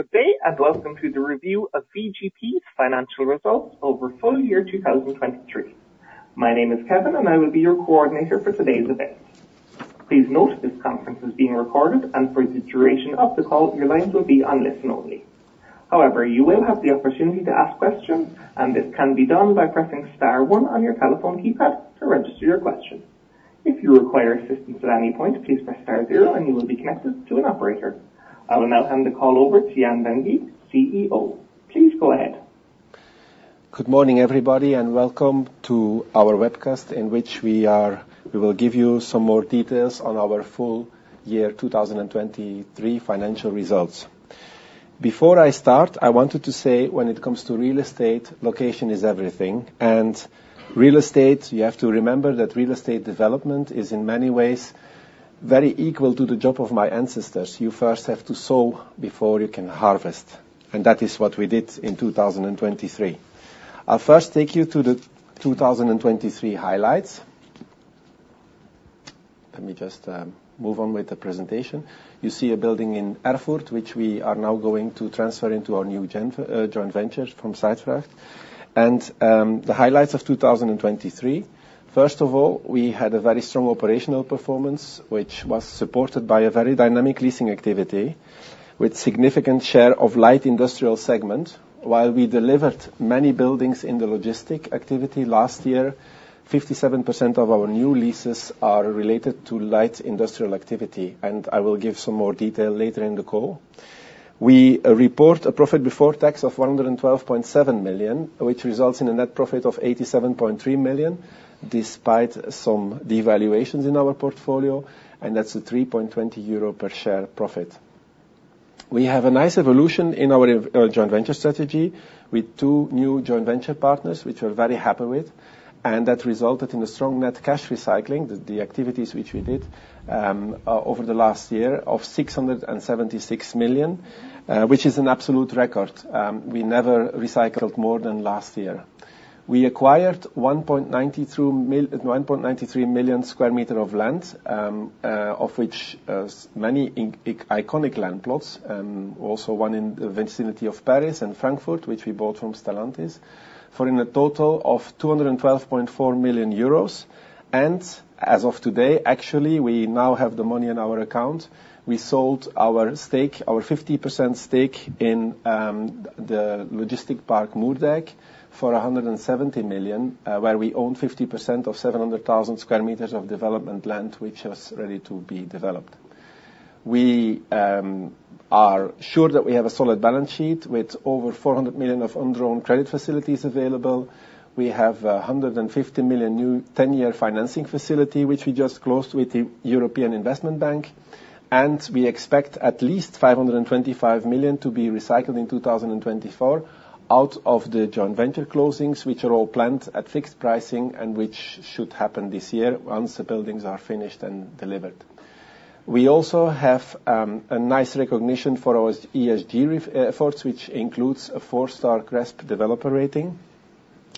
Good day and welcome to the review of VGP's financial results over full year 2023. My name is Kevin, and I will be your coordinator for today's event. Please note this conference is being recorded, and for the duration of the call your lines will be listen-only. However, you will have the opportunity to ask questions, and this can be done by pressing star one on your telephone keypad to register your question. If you require assistance at any point, please press star zero and you will be connected to an operator. I will now hand the call over to Jan Van Geet, CEO. Please go ahead. Good morning, everybody, and welcome to our webcast in which we will give you some more details on our full year 2023 financial results. Before I start, I wanted to say, when it comes to real estate, location is everything. And real estate, you have to remember that real estate development is, in many ways, very equal to the job of my ancestors: you first have to sow before you can harvest, and that is what we did in 2023. I'll first take you to the 2023 highlights. Let me just move on with the presentation. You see a building in Erfurt, which we are now going to transfer into our new JV, joint venture from Deka. The highlights of 2023: first of all, we had a very strong operational performance, which was supported by a very dynamic leasing activity with a significant share of light industrial segment. While we delivered many buildings in the logistic activity last year, 57% of our new leases are related to light industrial activity, and I will give some more detail later in the call. We report a profit before tax of 112.7 million, which results in a net profit of 87.3 million despite some devaluations in our portfolio, and that's a 3.20 euro per share profit. We have a nice evolution in our JV joint venture strategy with two new joint venture partners, which we're very happy with. And that resulted in a strong net cash recycling, the activities which we did, over the last year, of 676 million, which is an absolute record. We never recycled more than last year. We acquired 1.93 million m² of land, of which many iconic land plots, also one in the vicinity of Paris and Frankfurt, which we bought from Stellantis, for a total of 212.4 million euros. As of today, actually, we now have the money in our account. We sold our stake, our 50% stake in the logistics park Moerdijk for 170 million, where we own 50% of 700,000 m² of development land which was ready to be developed. We are sure that we have a solid balance sheet with over 400 million of underwritten credit facilities available. We have a 150 million new 10-year financing facility, which we just closed with the European Investment Bank. We expect at least 525 million to be recycled in 2024 out of the joint venture closings, which are all planned at fixed pricing and which should happen this year once the buildings are finished and delivered. We also have a nice recognition for our ESG efforts, which includes a four-star GRESB developer rating,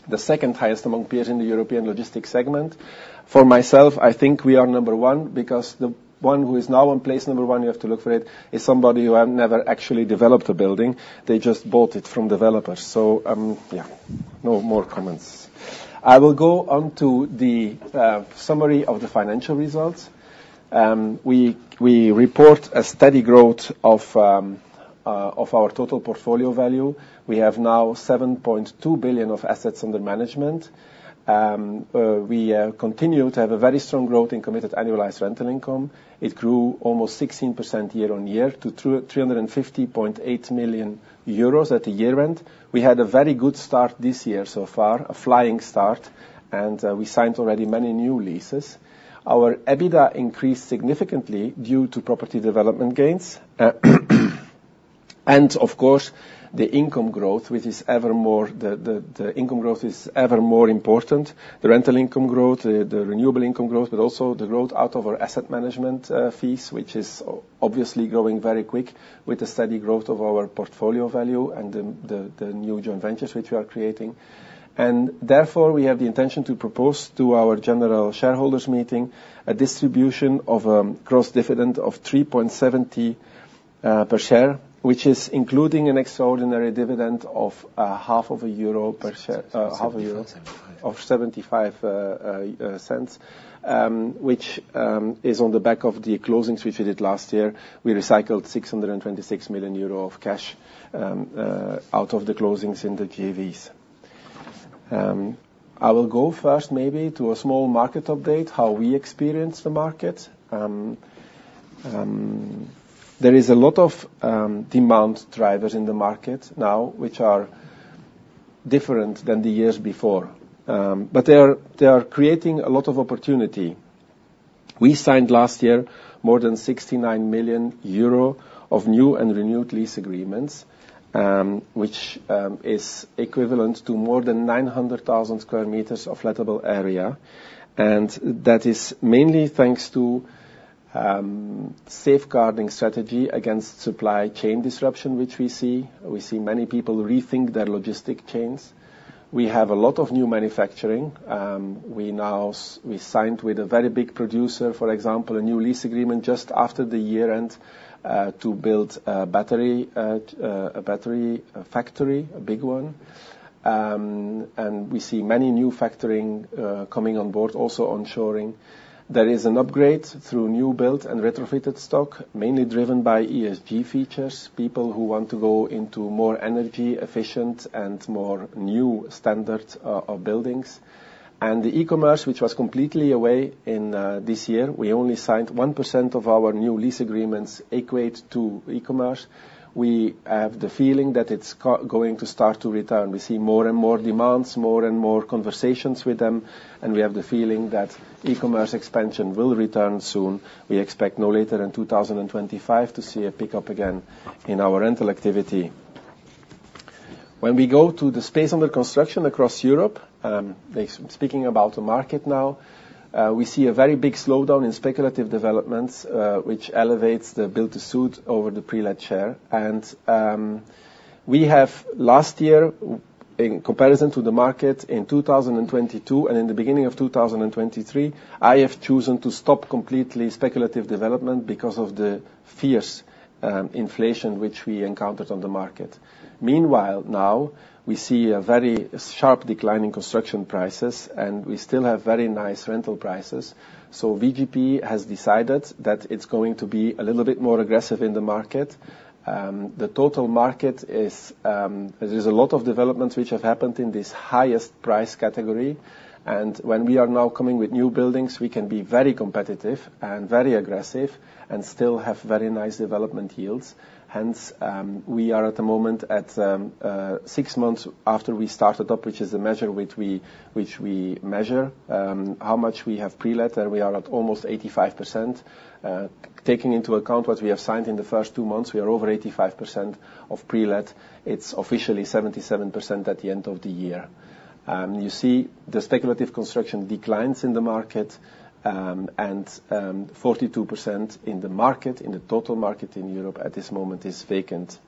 the second highest among peers in the European logistics segment. For myself, I think we are number one because the one who is now in place number one, you have to look for it, is somebody who never actually developed a building. They just bought it from developers. So, yeah, no more comments. I will go on to the summary of the financial results. We report a steady growth of our total portfolio value. We have now 7.2 billion of assets under management. We continue to have a very strong growth in committed annualized rental income. It grew almost 16% year-on-year to 350.8 million euros at the year end. We had a very good start this year so far, a flying start, and we signed already many new leases. Our EBITDA increased significantly due to property development gains, and, of course, the income growth, which is ever more important, the rental income growth, the renewable income growth, but also the growth out of our asset management fees, which is obviously growing very quick with the steady growth of our portfolio value and the new joint ventures which we are creating. Therefore, we have the intention to propose to our general shareholders meeting a distribution of a gross dividend of 3.70 per share, which is including an extraordinary dividend of EUR 0.50 per share, EUR 0.50. EUR 0.75, yeah. Of 0.75, which is on the back of the closings which we did last year. We recycled 626 million euro of cash, out of the closings in the GAVs. I will go first maybe to a small market update, how we experience the market. There is a lot of demand drivers in the market now which are different than the years before. But they are creating a lot of opportunity. We signed last year more than 69 million euro of new and renewed lease agreements, which is equivalent to more than 900,000 m² of lettable area. And that is mainly thanks to safeguarding strategy against supply chain disruption which we see. We see many people rethink their logistics chains. We have a lot of new manufacturing. We now see we signed with a very big producer, for example, a new lease agreement just after the year-end, to build a battery factory, a big one. We see many new factories coming on board, also onshoring. There is an upgrade through new built and retrofitted stock, mainly driven by ESG features, people who want to go into more energy-efficient and more new standards of buildings. The e-commerce, which was completely away in this year, we only signed 1% of our new lease agreements equate to e-commerce. We have the feeling that it's going to start to return. We see more and more demands, more and more conversations with them, and we have the feeling that e-commerce expansion will return soon. We expect no later than 2025 to see a pickup again in our rental activity. When we go to the space under construction across Europe, they're speaking about a market now, we see a very big slowdown in speculative developments, which elevates the build-to-suit over the pre-let share. We have last year, in comparison to the market in 2022 and in the beginning of 2023, I have chosen to stop completely speculative development because of the fierce inflation which we encountered on the market. Meanwhile, now, we see a very sharp decline in construction prices, and we still have very nice rental prices. VGP has decided that it's going to be a little bit more aggressive in the market. The total market is, there is a lot of developments which have happened in this highest price category. When we are now coming with new buildings, we can be very competitive and very aggressive and still have very nice development yields. Hence, we are at the moment at six months after we started up, which is the measure we measure, how much we have pre-let, and we are at almost 85%. Taking into account what we have signed in the first two months, we are over 85% of pre-let. It's officially 77% at the end of the year. You see the speculative construction declines in the market, and 42% in the market, in the total market in Europe at this moment is vacant,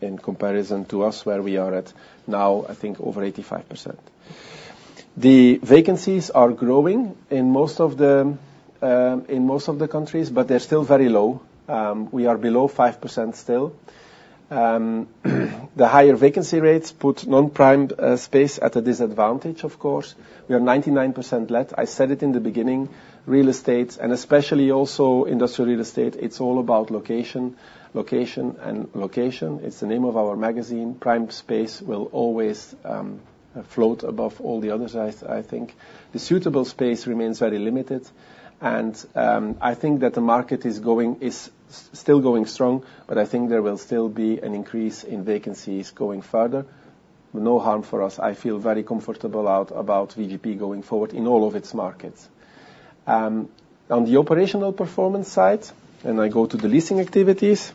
in comparison to us where we are at now, I think, over 85%. The vacancies are growing in most of the countries, but they're still very low. We are below 5% still. The higher vacancy rates put non-prime space at a disadvantage, of course. We are 99% let. I said it in the beginning: real estate, and especially also industrial real estate, it's all about location, location, and location. It's the name of our magazine. Prime space will always float above all the others, I think. The suitable space remains very limited. I think that the market is still going strong, but I think there will still be an increase in vacancies going further. No harm for us. I feel very comfortable about VGP going forward in all of its markets. On the operational performance side, and I go to the leasing activities,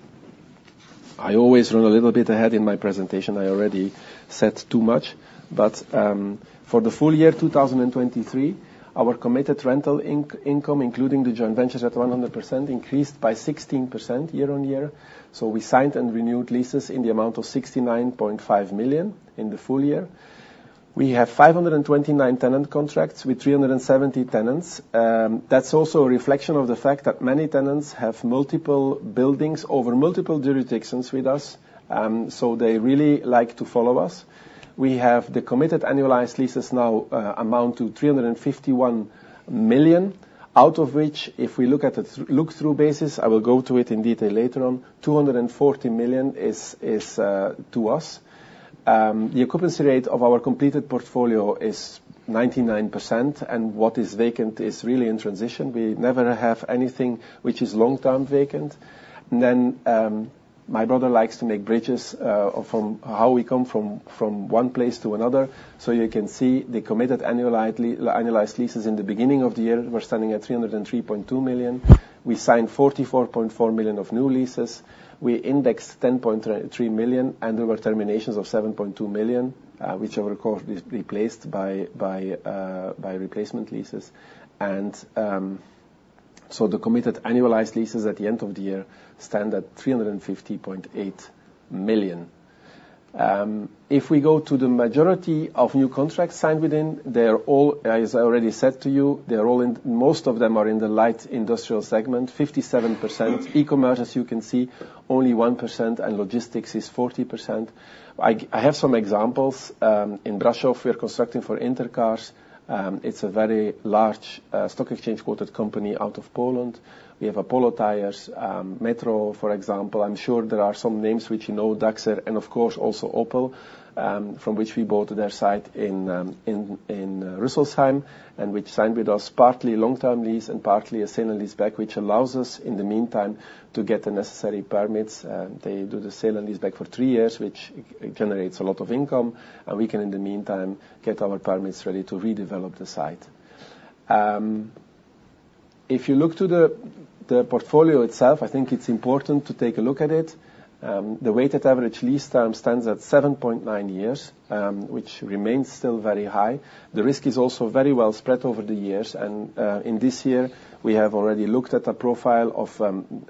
I always run a little bit ahead in my presentation. I already said too much. For the full year 2023, our committed rental income, including the joint ventures at 100%, increased by 16% year-over-year. So we signed and renewed leases in the amount of 69.5 million in the full year. We have 529 tenant contracts with 370 tenants. That's also a reflection of the fact that many tenants have multiple buildings over multiple jurisdictions with us, so they really like to follow us. We have the committed annualized leases now amount to 351 million, out of which, if we look at a look-through basis, I will go to it in detail later on, 240 million is, is, to us. The occupancy rate of our completed portfolio is 99%, and what is vacant is really in transition. We never have anything which is long-term vacant. And then, my brother likes to make bridges, from how we come from, from one place to another. So you can see the committed annualized leases in the beginning of the year, we're standing at 303.2 million. We signed 44.4 million of new leases. We indexed 10.3 million, and there were terminations of 7.2 million, which were of course replaced by replacement leases. The committed annualized leases at the end of the year stand at 350.8 million. If we go to the majority of new contracts signed within, they are all, as I already said to you, they are all in most of them are in the light industrial segment, 57%. E-commerce, as you can see, only 1%, and logistics is 40%. I have some examples. In Brașov, we are constructing for Inter Cars. It's a very large, stock exchange quoted company out of Poland. We have Apollo Tyres, Metro, for example. I'm sure there are some names which you know, Dachser, and of course also Opel, from which we bought their site in Rüsselsheim and which signed with us partly long-term lease and partly a sale and lease back, which allows us in the meantime to get the necessary permits. They do the sale and lease back for three years, which generates a lot of income, and we can in the meantime get our permits ready to redevelop the site. If you look to the portfolio itself, I think it's important to take a look at it. The weighted average lease term stands at 7.9 years, which remains still very high. The risk is also very well spread over the years. In this year, we have already looked at a profile of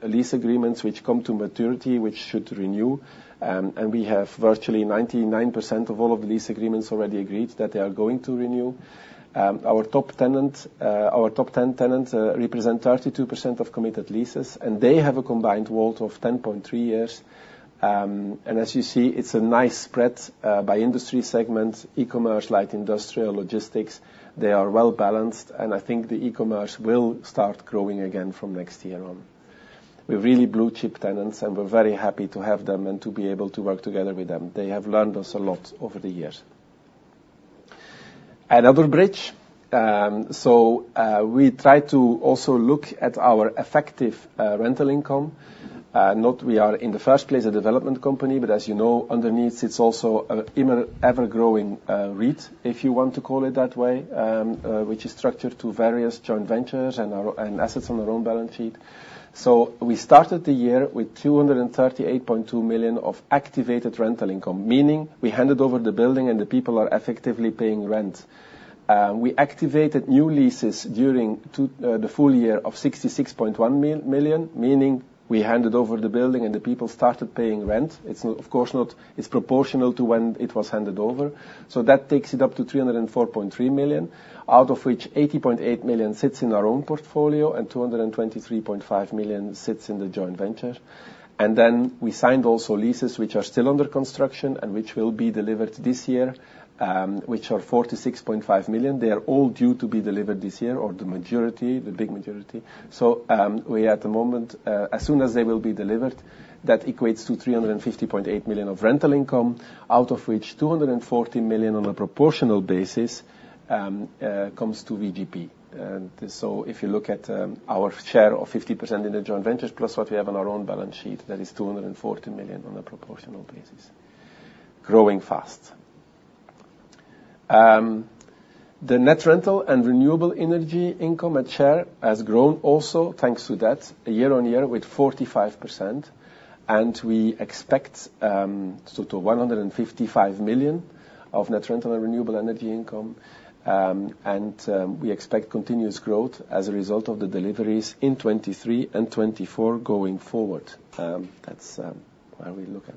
lease agreements which come to maturity, which should renew. We have virtually 99% of all of the lease agreements already agreed that they are going to renew. Our top tenant, our top 10 tenants, represent 32% of committed leases, and they have a combined WALT of 10.3 years. As you see, it's a nice spread by industry segments, e-commerce, light industrial, logistics. They are well balanced, and I think the e-commerce will start growing again from next year on. We're really blue-chip tenants, and we're very happy to have them and to be able to work together with them. They have learned us a lot over the years. Another bridge. So, we try to also look at our effective rental income. Now we are in the first place a development company, but as you know, underneath, it's also an ever-growing REIT, if you want to call it that way, which is structured to various joint ventures and our own assets on our own balance sheet. So we started the year with 238.2 million of activated rental income, meaning we handed over the building and the people are effectively paying rent. We activated new leases during the full year of 66.1 million, meaning we handed over the building and the people started paying rent. It's of course not, it's proportional to when it was handed over. So that takes it up to 304.3 million, out of which 80.8 million sits in our own portfolio and 223.5 million sits in the joint venture. And then we signed also leases which are still under construction and which will be delivered this year, which are 46.5 million. They are all due to be delivered this year, or the majority, the big majority. So, we at the moment, as soon as they will be delivered, that equates to 350.8 million of rental income, out of which 240 million on a proportional basis, comes to VGP. And so if you look at, our share of 50% in the joint ventures plus what we have on our own balance sheet, that is 240 million on a proportional basis. Growing fast. The net rental and renewable energy income at share has grown also thanks to that, year-on-year, with 45%. And we expect, so to 155 million of net rental and renewable energy income. We expect continuous growth as a result of the deliveries in 2023 and 2024 going forward. That's what we look at.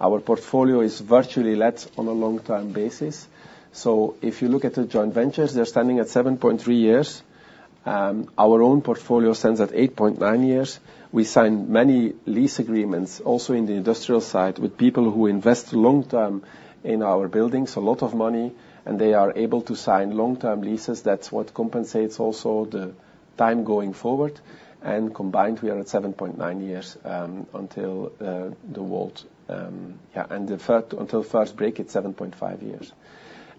Our portfolio is virtually let on a long-term basis. So if you look at the joint ventures, they're standing at 7.3 years. Our own portfolio stands at 8.9 years. We signed many lease agreements also in the industrial side with people who invest long-term in our buildings, a lot of money, and they are able to sign long-term leases. That's what compensates also the time going forward. And combined, we are at 7.9 years until the WALT, yeah, and the first until first break, it's 7.5 years.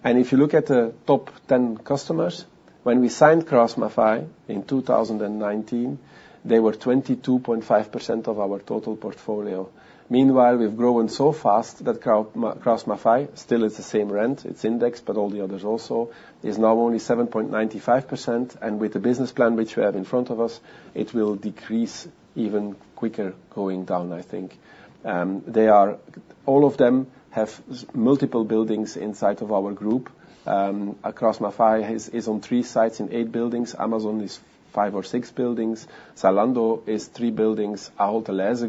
And if you look at the top 10 customers, when we signed KraussMaffei in 2019, they were 22.5% of our total portfolio. Meanwhile, we've grown so fast that KraussMaffei still is the same rent. It's indexed, but all the others also. It's now only 7.95%. With the business plan which we have in front of us, it will decrease even quicker going down, I think. They are all of them have multiple buildings inside of our group. KraussMaffei is on three sites in eigth buildings. Amazon is five or six buildings. Zalando is three buildings. Ahold Delhaize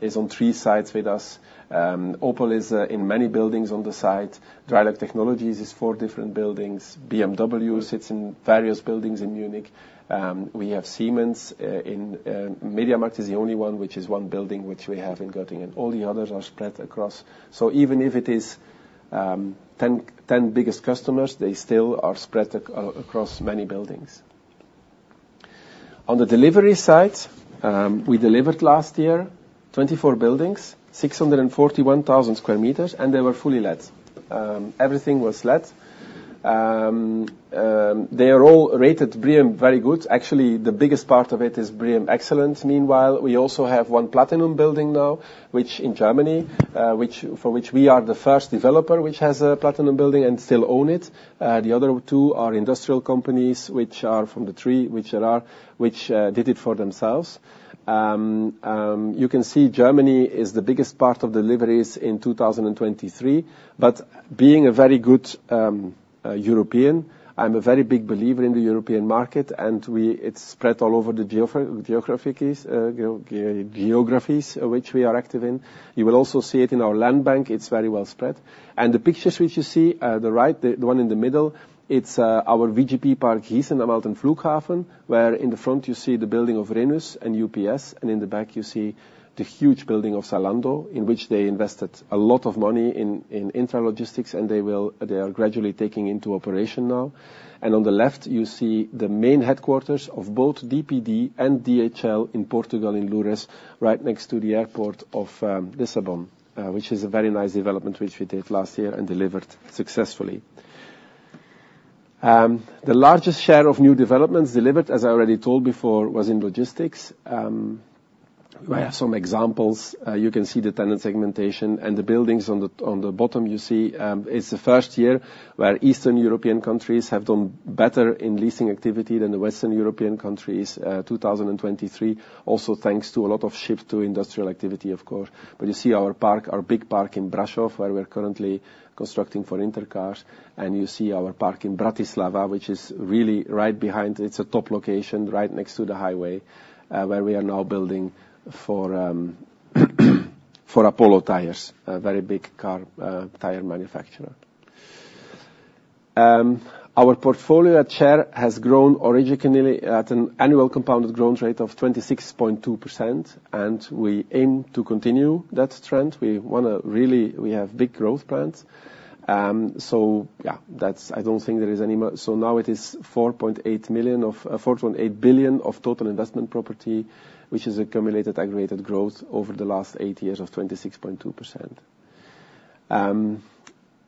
is on three sites with us. Opel is in many buildings on the site. Dräxlmaier is four different buildings. BMW sits in various buildings in Munich. We have Siemens in. MediaMarkt is the only one, which is one building which we have in Göttingen. All the others are spread across. So even if it is the 10 biggest customers, they still are spread across many buildings. On the delivery side, we delivered last year 24 buildings, 641,000 m², and they were fully let. Everything was let. They are all rated BREEAM Very Good. Actually, the biggest part of it is BREEAM Excellent, meanwhile. We also have one platinum building now, which in Germany, which for which we are the first developer which has a platinum building and still own it. The other two are industrial companies which are from the three which there are, which did it for themselves. You can see Germany is the biggest part of deliveries in 2023. But being a very good European, I'm a very big believer in the European market, and we it's spread all over the geographic geographies which we are active in. You will also see it in our land bank. It's very well spread. The pictures which you see, the right, the one in the middle, it's our VGP Park Gießen am Alten Flughafen, where in the front you see the building of Rhenus and UPS, and in the back you see the huge building of Zalando, in which they invested a lot of money in intralogistics, and they will they are gradually taking into operation now. On the left, you see the main headquarters of both DPD and DHL in Portugal, in Loures, right next to the airport of Lisbon, which is a very nice development which we did last year and delivered successfully. The largest share of new developments delivered, as I already told before, was in logistics. I have some examples. You can see the tenant segmentation. The buildings on the bottom you see, it's the first year where Eastern European countries have done better in leasing activity than the Western European countries, 2023, also thanks to a lot of shift to industrial activity, of course. But you see our park, our big park in Brașov, where we're currently constructing for Inter Cars. And you see our park in Bratislava, which is really right behind. It's a top location, right next to the highway, where we are now building for Apollo Tyres, a very big car tire manufacturer. Our portfolio at share has grown originally at an annual compounded growth rate of 26.2%, and we aim to continue that trend. We want to really have big growth plans. So yeah, that's. I don't think there is any. So now it is 4.8 million of 4.8 billion of total investment property, which is accumulated aggregated growth over the last eight years of 26.2%.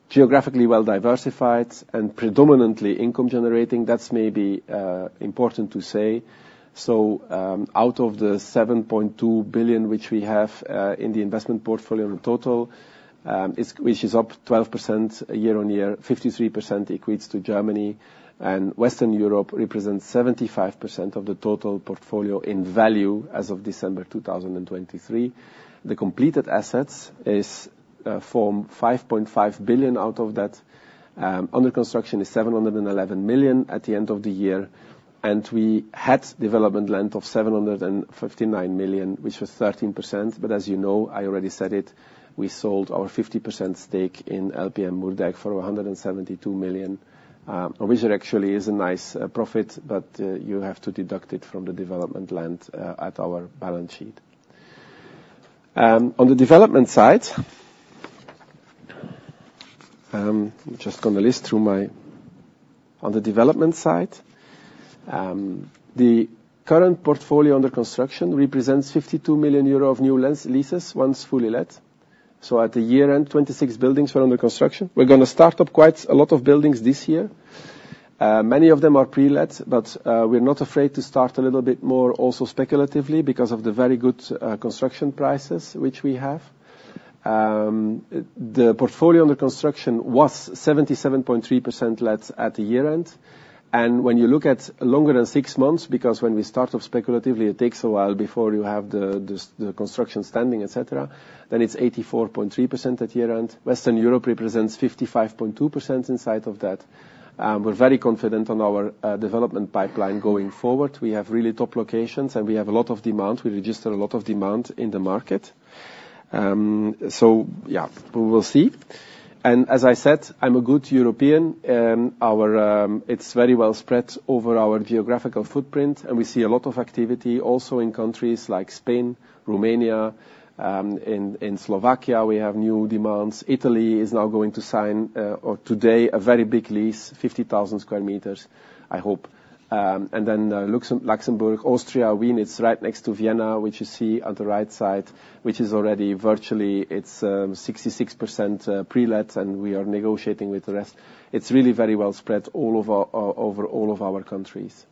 Geographically well diversified and predominantly income generating. That's maybe important to say. So, out of the 7.2 billion which we have in the investment portfolio in total, it's which is up 12% year-on-year. 53% equates to Germany. And Western Europe represents 75% of the total portfolio in value as of December 2023. The completed assets is form 5.5 billion out of that. Under construction is 711 million at the end of the year. And we had development land of 759 million, which was 13%. But as you know, I already said it, we sold our 50% stake in LPM Moerdijk for 172 million, which actually is a nice profit, but you have to deduct it from the development land at our balance sheet. On the development side, just going to list through my on the development side, the current portfolio under construction represents 52 million euro of new leases once fully let. So at the year-end, 26 buildings were under construction. We're going to start up quite a lot of buildings this year. Many of them are pre-let, but we're not afraid to start a little bit more also speculatively because of the very good construction prices which we have. The portfolio under construction was 77.3% let at the year-end. And when you look at longer than six months, because when we start up speculatively, it takes a while before you have the construction standing, etc., then it's 84.3% at year-end. Western Europe represents 55.2% inside of that. We're very confident on our development pipeline going forward. We have really top locations, and we have a lot of demand. We register a lot of demand in the market. So yeah, we will see. And as I said, I'm a good European. Our, it's very well spread over our geographical footprint, and we see a lot of activity also in countries like Spain, Romania, in Slovakia, we have new demands. Italy is now going to sign, or today, a very big lease, 50,000 m², I hope. And then Luxembourg, Austria, Wien—it's right next to Vienna, which you see on the right side, which is already virtually it's 66% pre-let, and we are negotiating with the rest. It's really very well spread all over our overall countries.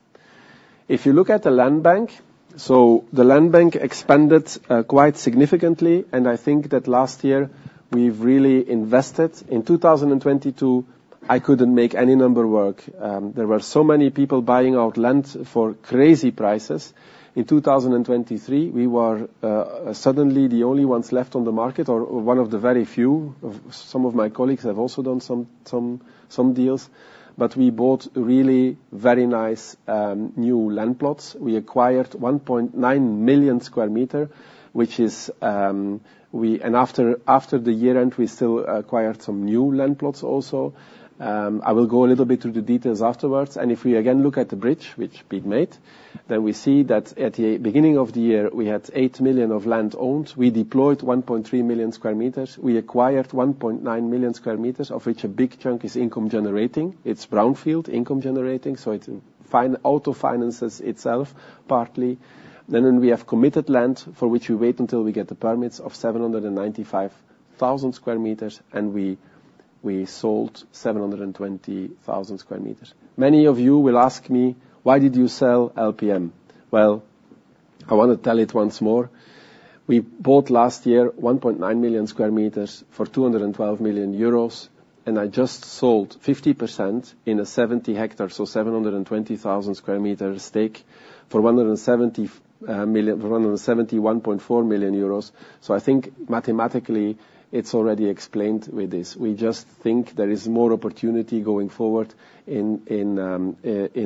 If you look at the landbank, so the landbank expanded quite significantly, and I think that last year we've really invested. In 2022, I couldn't make any number work. There were so many people buying out land for crazy prices. In 2023, we were suddenly the only ones left on the market, or one of the very few. Some of my colleagues have also done some deals. But we bought really very nice new land plots. We acquired 1.9 million m², which is we, and after the year-end, we still acquired some new land plots also. I will go a little bit through the details afterwards. And if we again look at the bridge, which Piet made, then we see that at the beginning of the year, we had 8 million of land owned. We deployed 1.3 million m². We acquired 1.9 million m², of which a big chunk is income generating. It's brownfield, income generating, so it autofinances itself partly. And then we have committed land for which we wait until we get the permits of 795,000 m², and we, we sold 720,000 m². Many of you will ask me, "Why did you sell LPM?" Well, I want to tell it once more. We bought last year 1.9 m² for 212 million euros, and I just sold 50% in a 70 ha, so 720,000 m² stake for 171.4 million euros. So I think mathematically, it's already explained with this. We just think there is more opportunity going forward in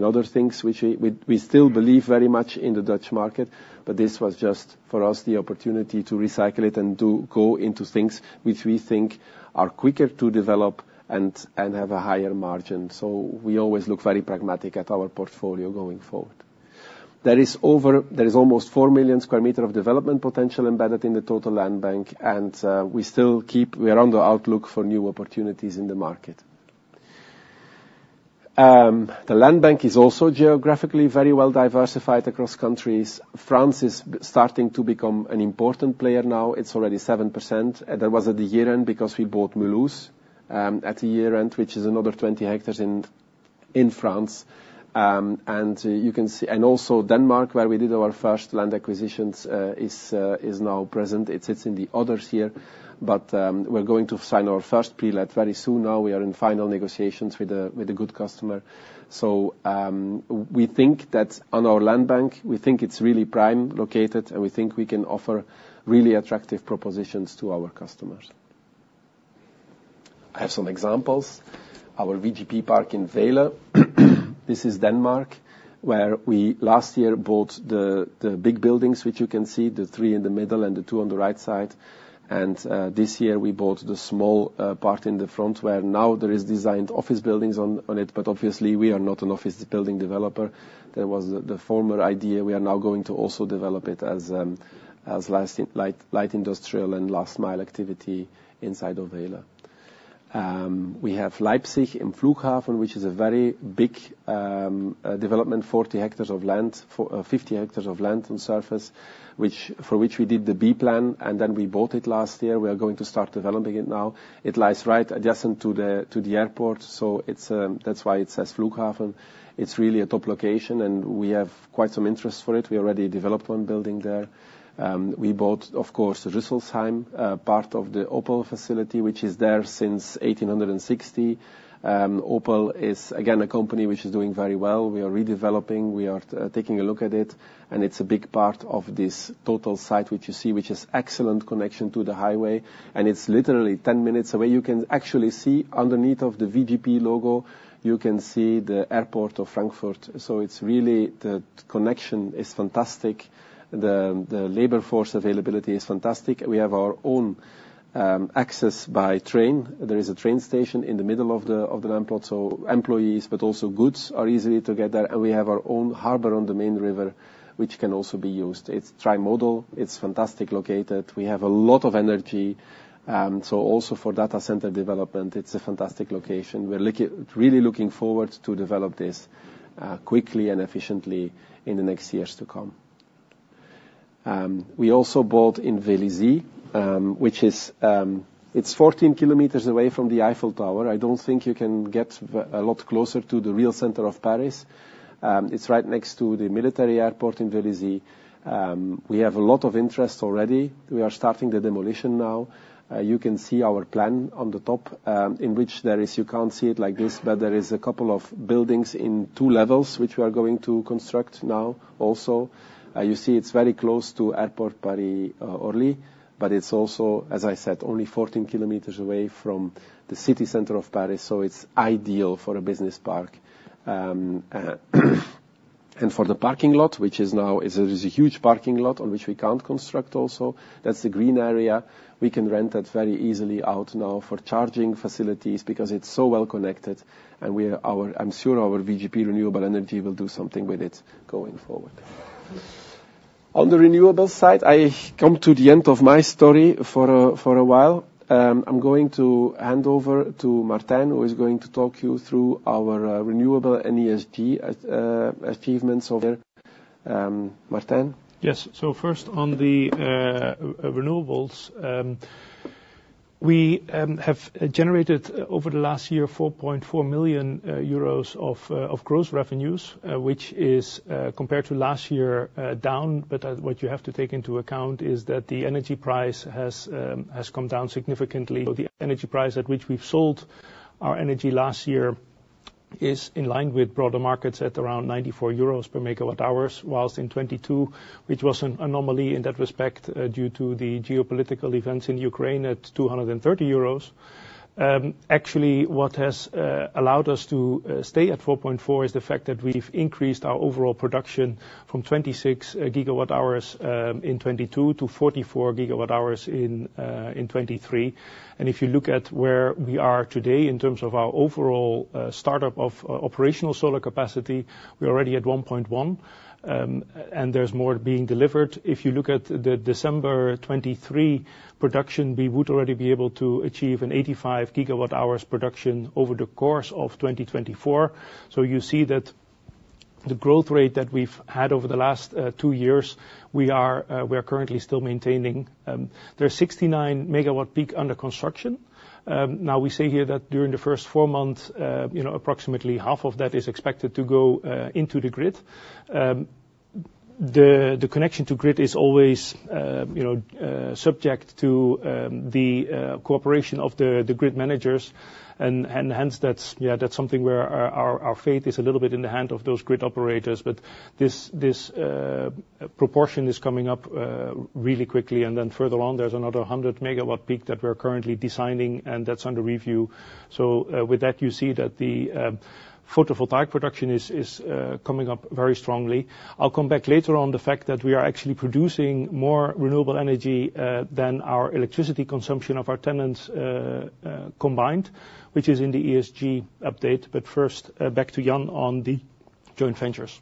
other things, which we still believe very much in the Dutch market, but this was just for us the opportunity to recycle it and go into things which we think are quicker to develop and have a higher margin. So we always look very pragmatic at our portfolio going forward. There is almost 4 million m² of development potential embedded in the total land bank, and we are on the lookout for new opportunities in the market. The land bank is also geographically very well diversified across countries. France is starting to become an important player now. It's already 7%. That was at the year-end because we bought Mulhouse at the year-end, which is another 20 ha in France. You can see and also Denmark, where we did our first land acquisitions, is now present. It sits in the others here. But we're going to sign our first pre-let very soon. Now we are in final negotiations with a good customer. So, we think that on our land bank, we think it's really prime located, and we think we can offer really attractive propositions to our customers. I have some examples. Our VGP Park in Vejle. This is Denmark, where we last year bought the big buildings which you can see, the three in the middle and the two on the right side. And this year we bought the small part in the front where now there are designed office buildings on it, but obviously we are not an office building developer. There was the former idea. We are now going to also develop it as light industrial and last-mile activity inside of Vejle. We have Leipzig am Flughafen, which is a very big development, 40 ha of land for 50 ha of land on surface, for which we did the B plan, and then we bought it last year. We are going to start developing it now. It lies right adjacent to the airport, so that's why it says Flughafen. It's really a top location, and we have quite some interest for it. We already developed one building there. We bought, of course, the Rüsselsheim part of the Opel facility, which is there since 1860. Opel is, again, a company which is doing very well. We are redeveloping. We are taking a look at it, and it's a big part of this total site which you see, which has excellent connection to the highway. And it's literally 10 min. away. You can actually see underneath of the VGP logo, you can see the airport of Frankfurt. So it's really the connection is fantastic. The labor force availability is fantastic. We have our own access by train. There is a train station in the middle of the land plot, so employees, but also goods are easily to get there. And we have our own harbor on the Main River, which can also be used. It's trimodal. It's fantastic located. We have a lot of energy. So also for data center development, it's a fantastic location. We're really looking forward to develop this, quickly and efficiently in the next years to come. We also bought in Vélizy, which is, it's 14 km away from the Eiffel Tower. I don't think you can get a lot closer to the real center of Paris. It's right next to the military airport in Vélizy. We have a lot of interest already. We are starting the demolition now. You can see our plan on the top, in which there is you can't see it like this, but there is a couple of buildings in two levels which we are going to construct now also. You see it's very close to Airport Paris Orly, but it's also, as I said, only 14 km away from the city center of Paris, so it's ideal for a business park. And for the parking lot, which is now a huge parking lot on which we can't construct also, that's the green area. We can rent that very easily out now for charging facilities because it's so well connected, and I'm sure our VGP Renewable Energy will do something with it going forward. On the renewable side, I come to the end of my story for a while. I'm going to hand over to Martijn, who is going to talk you through our renewable ESG achievements. Here. Martijn? Yes. So first, on the renewables, we have generated over the last year 4.4 million euros of gross revenues, which is compared to last year down. But what you have to take into account is that the energy price has come down significantly. The energy price at which we've sold our energy last year is in line with broader markets at around 94 euros per MWh, while in 2022, which was an anomaly in that respect, due to the geopolitical events in Ukraine at 230 euros, actually what has allowed us to stay at 4.4 is the fact that we've increased our overall production from 26 GWh in 2022 to 44 GWh in 2023. And if you look at where we are today in terms of our overall startup of operational solar capacity, we're already at 1.1 GW, and there's more being delivered. If you look at the December 2023 production, we would already be able to achieve an 85 GWh production over the course of 2024. So you see that the growth rate that we've had over the last two years, we are we are currently still maintaining. There’s 69 MWp under construction. Now we say here that during the first, four months, you know, approximately half of that is expected to go into the grid. The connection to grid is always, you know, subject to the cooperation of the grid managers. And hence that's, yeah, that's something where our fate is a little bit in the hand of those grid operators. But this proportion is coming up really quickly. And then further on, there's another 100 MWp that we're currently designing, and that's under review. So, with that, you see that the photovoltaic production is coming up very strongly. I'll come back later on the fact that we are actually producing more renewable energy than our electricity consumption of our tenants, combined, which is in the ESG update. But first, back to Jan on the joint ventures.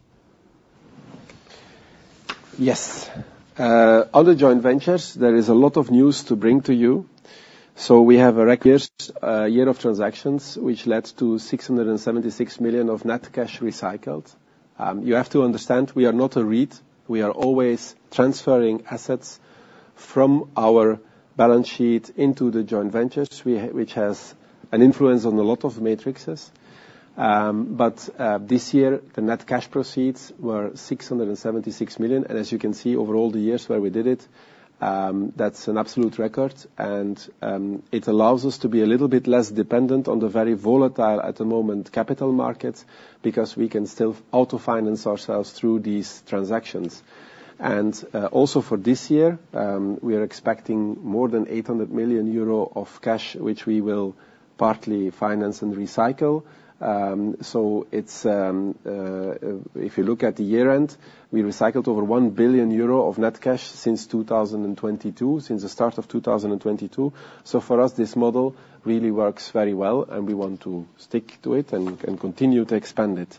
Yes. On the joint ventures, there is a lot of news to bring to you. So we have a year of transactions, which led to 676 million of net cash recycled. You have to understand, we are not a REIT. We are always transferring assets from our balance sheet into the joint ventures, which has an influence on a lot of metrics. But this year, the net cash proceeds were 676 million. And as you can see, over all the years where we did it, that's an absolute record. And it allows us to be a little bit less dependent on the very volatile at the moment capital markets because we can still autofinance ourselves through these transactions. And also for this year, we are expecting more than 800 million euro of cash, which we will partly finance and recycle. So it's, if you look at the year-end, we recycled over 1 billion euro of net cash since 2022, since the start of 2022. So for us, this model really works very well, and we want to stick to it and continue to expand it.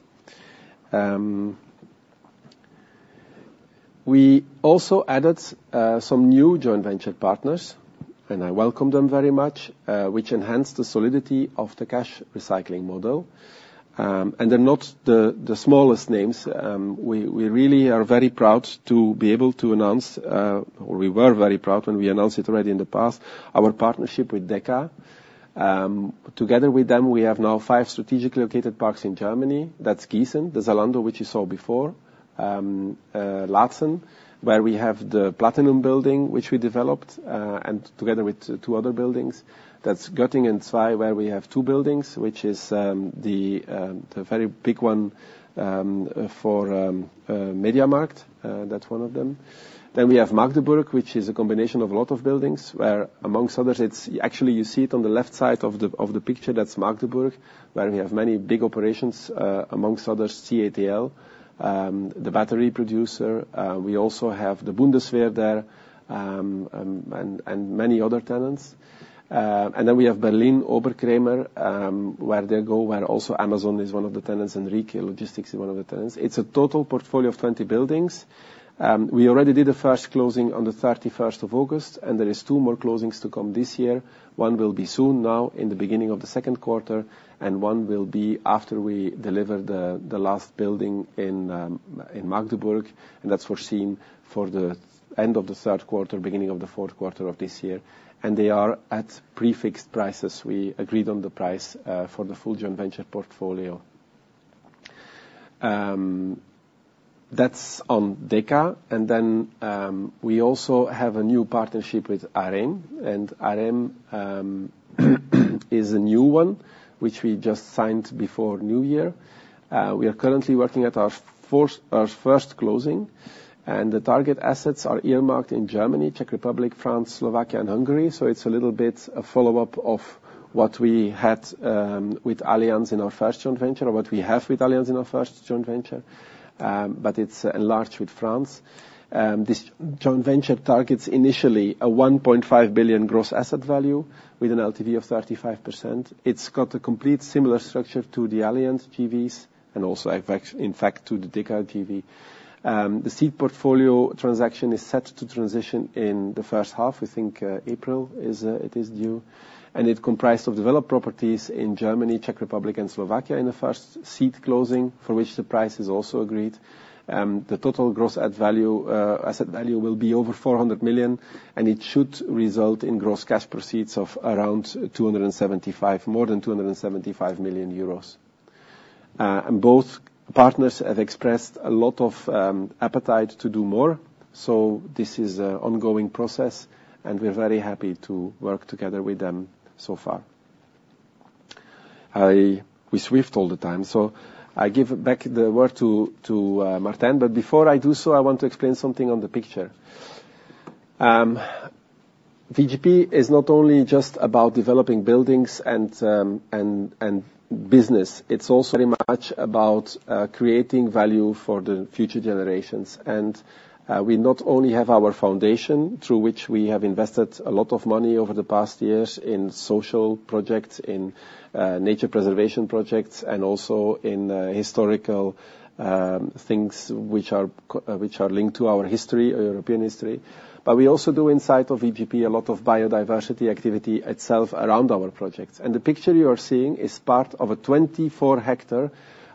We also added some new joint venture partners, and I welcome them very much, which enhance the solidity of the cash recycling model. They're not the smallest names. We really are very proud to be able to announce, or we were very proud when we announced it already in the past, our partnership with Deka. Together with them, we have now five strategically located parks in Germany. That's Gießen, the Zalando, which you saw before, Laatzen, where we have the Platinum building, which we developed, and together with two other buildings. That's Göttingen Zwei, where we have two buildings, which is the very big one for MediaMarkt. That's one of them. Then we have Magdeburg, which is a combination of a lot of buildings, where among others, it's actually you see it on the left side of the picture. That's Magdeburg, where we have many big operations, among others, CATL, the battery producer. We also have the Bundeswehr there, and many other tenants. And then we have Berlin Oberkrämer, where also Amazon is one of the tenants and Rieck Logistics is one of the tenants. It's a total portfolio of 20 buildings. We already did the first closing on the August 31st, and there are two more closings to come this year. One will be soon, now in the beginning of the second quarter, and one will be after we deliver the last building in Magdeburg. And that's foreseen for the end of the third quarter, beginning of the fourth quarter of this year. And they are at prefixed prices. We agreed on the price, for the full joint venture portfolio. That's on Deka. And then, we also have a new partnership with Areim. And Areim is a new one, which we just signed before New Year. We are currently working on our first closing, and the target assets are earmarked in Germany, Czech Republic, France, Slovakia, and Hungary. So it's a little bit a follow-up of what we had with Allianz in our first joint venture or what we have with Allianz in our first joint venture. But it's enlarged with France. This joint venture targets initially a 1.5 billion gross asset value with an LTV of 35%. It's got a complete similar structure to the Allianz JVs and also, in fact, to the Deka JV. The seed portfolio transaction is set to transition in the first half. We think, April is, it is due. And it comprised of developed properties in Germany, Czech Republic, and Slovakia in the first seed closing, for which the price is also agreed. The total gross add value, asset value will be over 400 million, and it should result in gross cash proceeds of around 275, more than 275 million euros. And both partners have expressed a lot of, appetite to do more. So this is an ongoing process, and we're very happy to work together with them so far. We switch all the time. So I give back the word to Martijn but before I do so, I want to explain something on the picture. VGP is not only just about developing buildings and business. It's also very much about creating value for the future generations. We not only have our foundation, through which we have invested a lot of money over the past years in social projects, in nature preservation projects, and also in historical things which are linked to our history, European history. But we also do inside of VGP a lot of biodiversity activity itself around our projects. The picture you are seeing is part of a 24 ha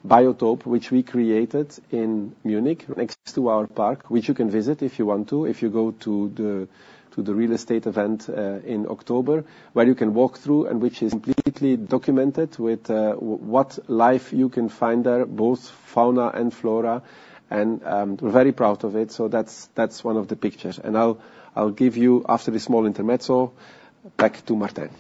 biotope, which we created in Munich, next to our park, which you can visit if you want to, if you go to the real estate event in October, where you can walk through and which is completely documented with what life you can find there, both fauna and flora. We're very proud of it. So that's one of the pictures. And I'll give you, after this small intermezzo, back to Martijn.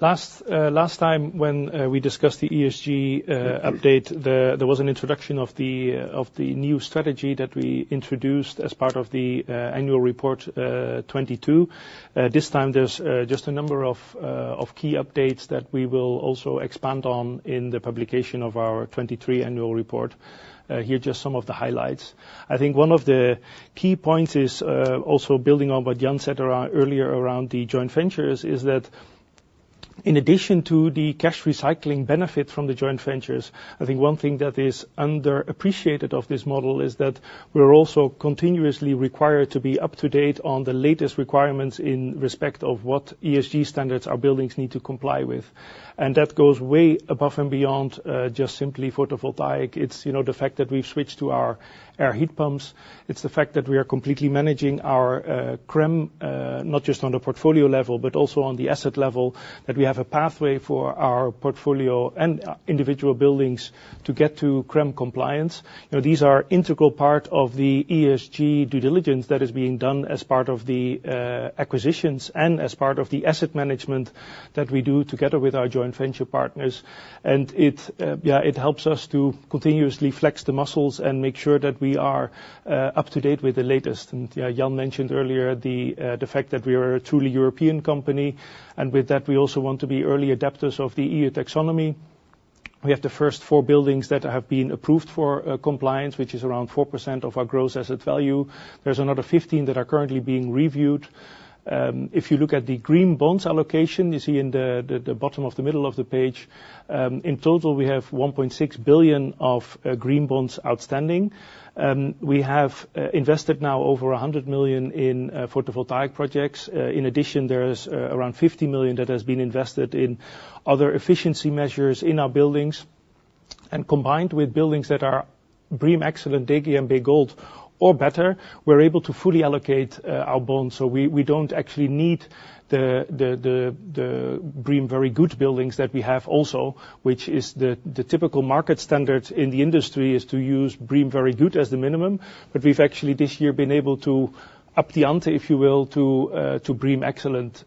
Last time when we discussed the ESG update, there was an introduction of the new strategy that we introduced as part of the annual report 2022. This time, there's just a number of key updates that we will also expand on in the publication of our 2023 annual report. Here are just some of the highlights. I think one of the key points is, also building on what Jan said earlier around the joint ventures, is that in addition to the cash recycling benefit from the joint ventures, I think one thing that is underappreciated of this model is that we're also continuously required to be up to date on the latest requirements in respect of what ESG standards our buildings need to comply with. That goes way above and beyond, just simply photovoltaic. It's, you know, the fact that we've switched to our air heat pumps. It's the fact that we are completely managing our CRREM, not just on the portfolio level, but also on the asset level, that we have a pathway for our portfolio and individual buildings to get to CRREM compliance. You know, these are an integral part of the ESG due diligence that is being done as part of the acquisitions and as part of the asset management that we do together with our joint venture partners. And it, yeah, it helps us to continuously flex the muscles and make sure that we are up to date with the latest. And, yeah, Jan mentioned earlier the fact that we are a truly European company. And with that, we also want to be early adopters of the EU Taxonomy. We have the first, four buildings that have been approved for compliance, which is around 4% of our gross asset value. There's another 15 that are currently being reviewed. If you look at the green bonds allocation, you see in the bottom of the middle of the page, in total, we have 1.6 billion of green bonds outstanding. We have invested now over 100 million in photovoltaic projects. In addition, there's around 50 million that has been invested in other efficiency measures in our buildings. Combined with buildings that are BREEAM Excellent, DGNB, and DGNB Gold, or better, we're able to fully allocate our bonds. So we don't actually need the BREEAM Very Good buildings that we have also, which is the typical market standard in the industry is to use BREEAM Very Good as the minimum. But we've actually this year been able to up the ante, if you will, to BREEAM Excellent.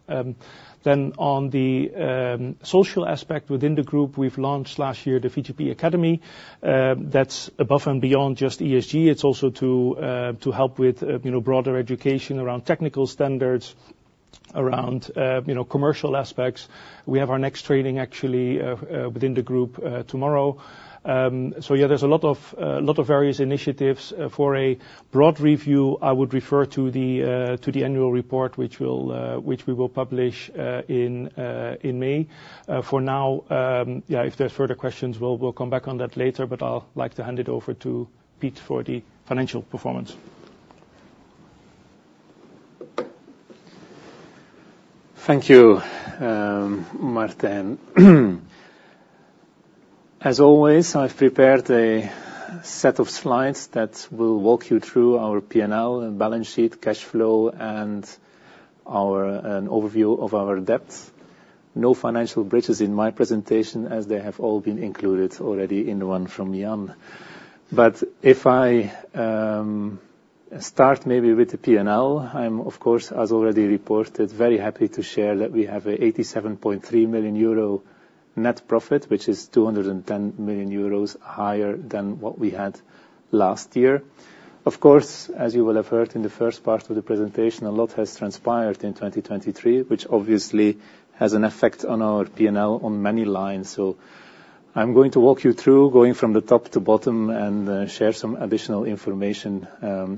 Then on the social aspect within the group, we've launched last year the VGP Academy. That's above and beyond just ESG. It's also to help with, you know, broader education around technical standards, around, you know, commercial aspects. We have our next training, actually, within the group, tomorrow. So, yeah, there's a lot of, a lot of various initiatives. For a broad review, I would refer to the, to the annual report, which we'll, which we will publish, in, in May. For now, yeah, if there's further questions, we'll, we'll come back on that later. But I'd like to hand it over to Pete for the financial performance. Thank you, Martijn. As always, I've prepared a set of slides that will walk you through our P&L, balance sheet, cash flow, and our an overview of our debts. No financial breaches in my presentation, as they have all been included already in the one from Jan. But if I start maybe with the P&L, I'm of course, as already reported, very happy to share that we have a 87.3 million euro net profit, which is 210 million euros higher than what we had last year. Of course, as you will have heard in the first part of the presentation, a lot has transpired in 2023, which obviously has an effect on our P&L on many lines. So I'm going to walk you through, going from the top to bottom, and share some additional information,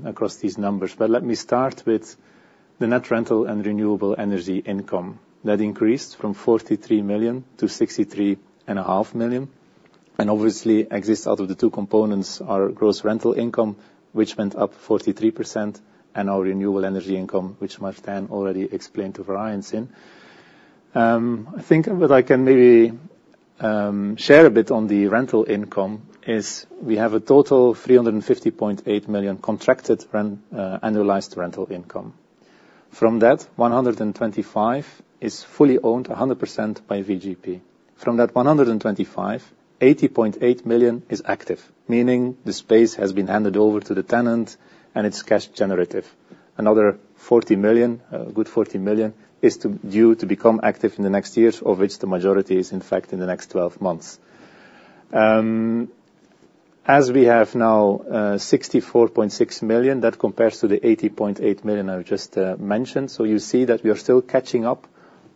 across these numbers. But let me start with the net rental and renewable energy income, that increased from 43 million to 63.5 million. And obviously, exists out of the two components are gross rental income, which went up 43%, and our renewable energy income, which Martijn already explained to Variance in. I think what I can maybe share a bit on the rental income is we have a total 350.8 million contracted, annualized rental income. From that, 125 million is fully owned, 100%, by VGP. From that 125 million, 80.8 million is active, meaning the space has been handed over to the tenant and it's cash generative. Another 40 million, a good 40 million, is due to become active in the next years, of which the majority is, in fact, in the next 12 months. As we have now 64.6 million that compares to the 80.8 million I've just mentioned. So you see that we are still catching up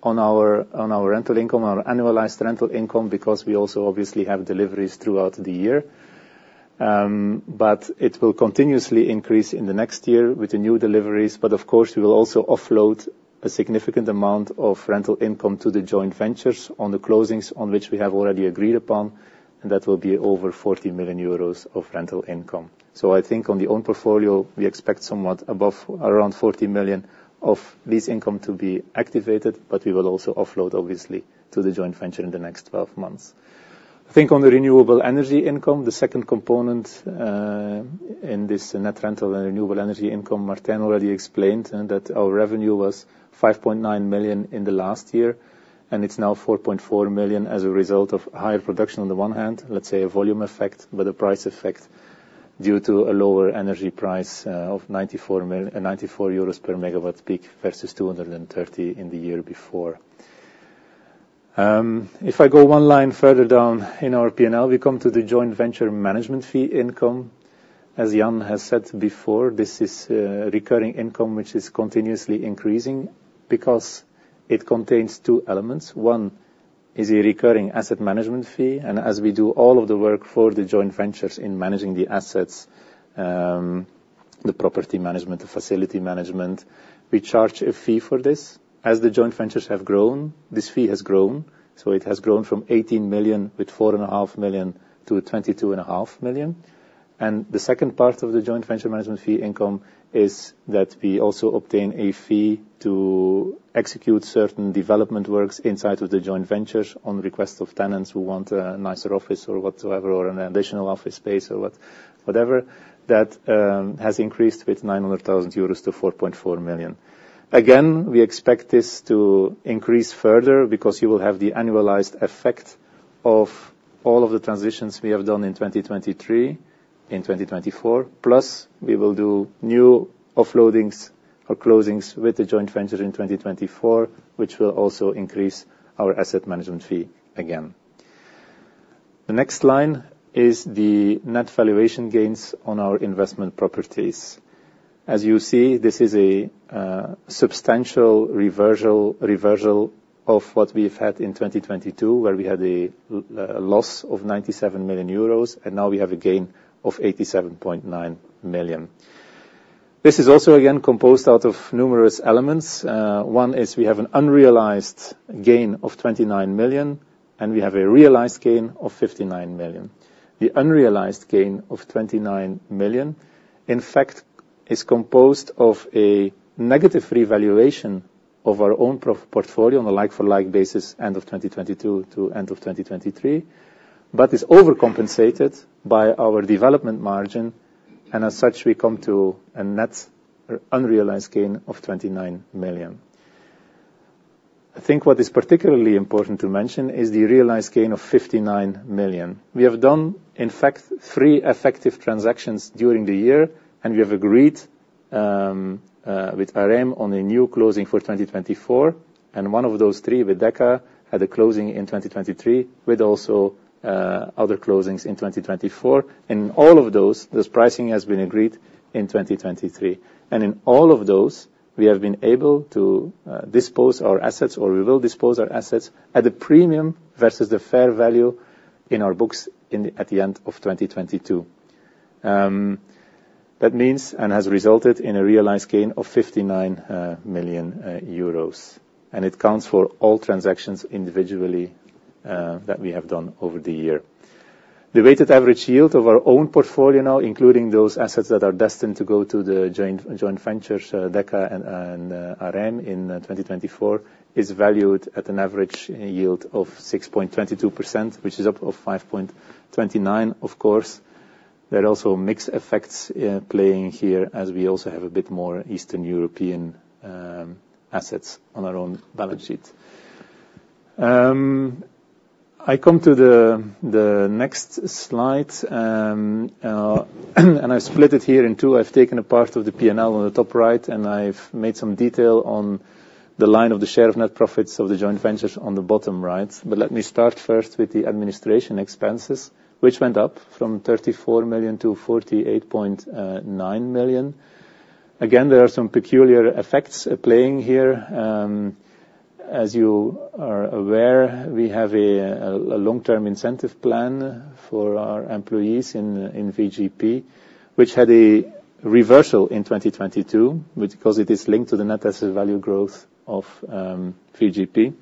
on our on our rental income, on our annualized rental income, because we also obviously have deliveries throughout the year. But it will continuously increase in the next year with the new deliveries. But, of course, we will also offload a significant amount of rental income to the joint ventures on the closings on which we have already agreed upon. And that will be over 40 million euros of rental income. So I think on the own portfolio, we expect somewhat above around 40 million of this income to be activated. But we will also offload, obviously, to the joint venture in the next 12 months. I think on the renewable energy income, the second component, in this net rental and renewable energy income, Martijn already explained, that our revenue was 5.9 million in the last year. And it's now 4.4 million as a result of higher production on the one hand, let's say a volume effect, but a price effect due to a lower energy price of 94 per megawatt-peak versus 230 million in the year before. If I go one line further down in our P&L, we come to the joint venture management fee income. As Jan has said before, this is a recurring income which is continuously increasing because it contains two elements. One is a recurring asset management fee. As we do all of the work for the joint ventures in managing the assets, the property management, the facility management, we charge a fee for this. As the joint ventures have grown, this fee has grown. It has grown from 18 million with 4.5 million to 22.5 million. The second part of the joint venture management fee income is that we also obtain a fee to execute certain development works inside of the joint ventures on request of tenants who want a nicer office or whatsoever, or an additional office space or whatever. That has increased with 900,000 euros to 4.4 million. Again, we expect this to increase further because you will have the annualized effect of all of the transitions we have done in 2023, in 2024. Plus, we will do new offloadings or closings with the joint ventures in 2024, which will also increase our asset management fee again. The next line is the net valuation gains on our investment properties. As you see, this is a substantial reversal of what we've had in 2022, where we had a loss of 97 million euros. And now we have a gain of 87.9 million. This is also, again, composed out of numerous elements. One is we have an unrealized gain of 29 million, and we have a realized gain of 59 million. The unrealized gain of 29 million, in fact, is composed of a negative revaluation of our own portfolio on a like-for-like basis end of 2022 to end of 2023, but is overcompensated by our development margin. As such, we come to a net unrealized gain of 29 million. I think what is particularly important to mention is the realized gain of 59 million. We have done, in fact, three effective transactions during the year. We have agreed, with Areim on a new closing for 2024. One of those three, with Deka, had a closing in 2023, with also, other closings in 2024. In all of those, the pricing has been agreed in 2023. In all of those, we have been able to, dispose our assets, or we will dispose our assets, at the premium versus the fair value in our books at the end of 2022. That means and has resulted in a realized gain of 59 million euros. And it counts for all transactions individually, that we have done over the year. The weighted average yield of our own portfolio now, including those assets that are destined to go to the joint ventures, Deka and Areim, in 2024, is valued at an average yield of 6.22%, which is up of 5.29%, of course. There are also mixed effects playing here, as we also have a bit more Eastern European assets on our own balance sheet. I come to the next slide. And I've split it here in two. I've taken a part of the P&L on the top right. And I've made some detail on the line of the share of net profits of the joint ventures on the bottom right. But let me start first with the administration expenses, which went up from 34 million to 48.9 million. Again, there are some peculiar effects playing here. As you are aware, we have a long-term incentive plan for our employees in VGP, which had a reversal in 2022, because it is linked to the net asset value growth of VGP.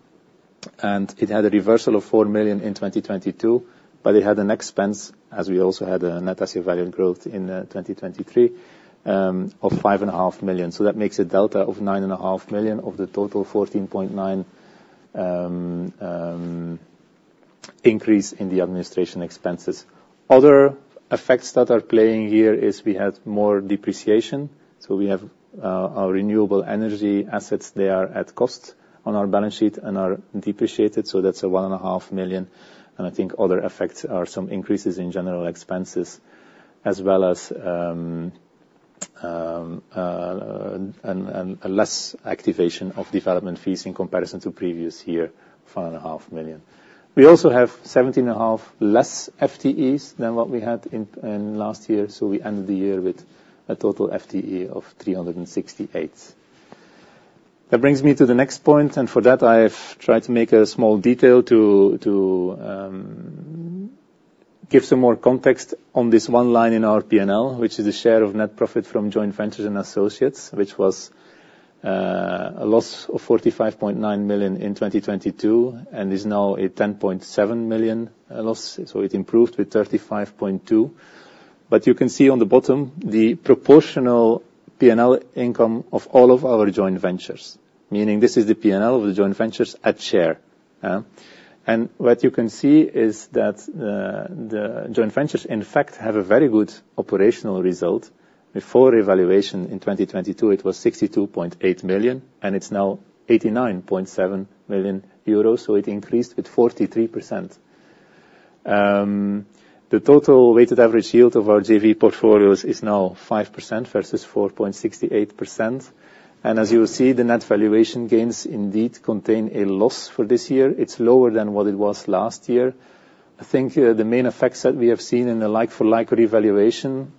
And it had a reversal of 4 million in 2022. But it had an expense, as we also had a net asset value growth in 2023, of 5.5 million. So that makes a delta of 9.5 million of the total 14.9 increase in the administration expenses. Other effects that are playing here is we had more depreciation. So we have our renewable energy assets, they are at cost on our balance sheet and are depreciated. So that's a 1.5 million. I think other effects are some increases in general expenses, as well as a less activation of development fees in comparison to previous year, 5.5 million. We also have 17.5 million less FTEs than what we had in last year. So we ended the year with a total FTE of 368 million. That brings me to the next point. For that, I've tried to make a small detail to give some more context on this one line in our P&L, which is the share of net profit from joint ventures and associates, which was a loss of 45.9 million in 2022 and is now a 10.7 million loss. So it improved with 35.2 million. But you can see on the bottom the proportional P&L income of all of our joint ventures, meaning this is the P&L of the joint ventures at share. Yeah, and what you can see is that the joint ventures, in fact, have a very good operational result. Before revaluation in 2022, it was 62.8 million. And it's now 89.7 million euros. So it increased with 43%. The total weighted average yield of our JV portfolios is now 5% versus 4.68%. And, as you will see, the net valuation gains indeed contain a loss for this year. It's lower than what it was last year. I think the main effects that we have seen in the like-for-like revaluation,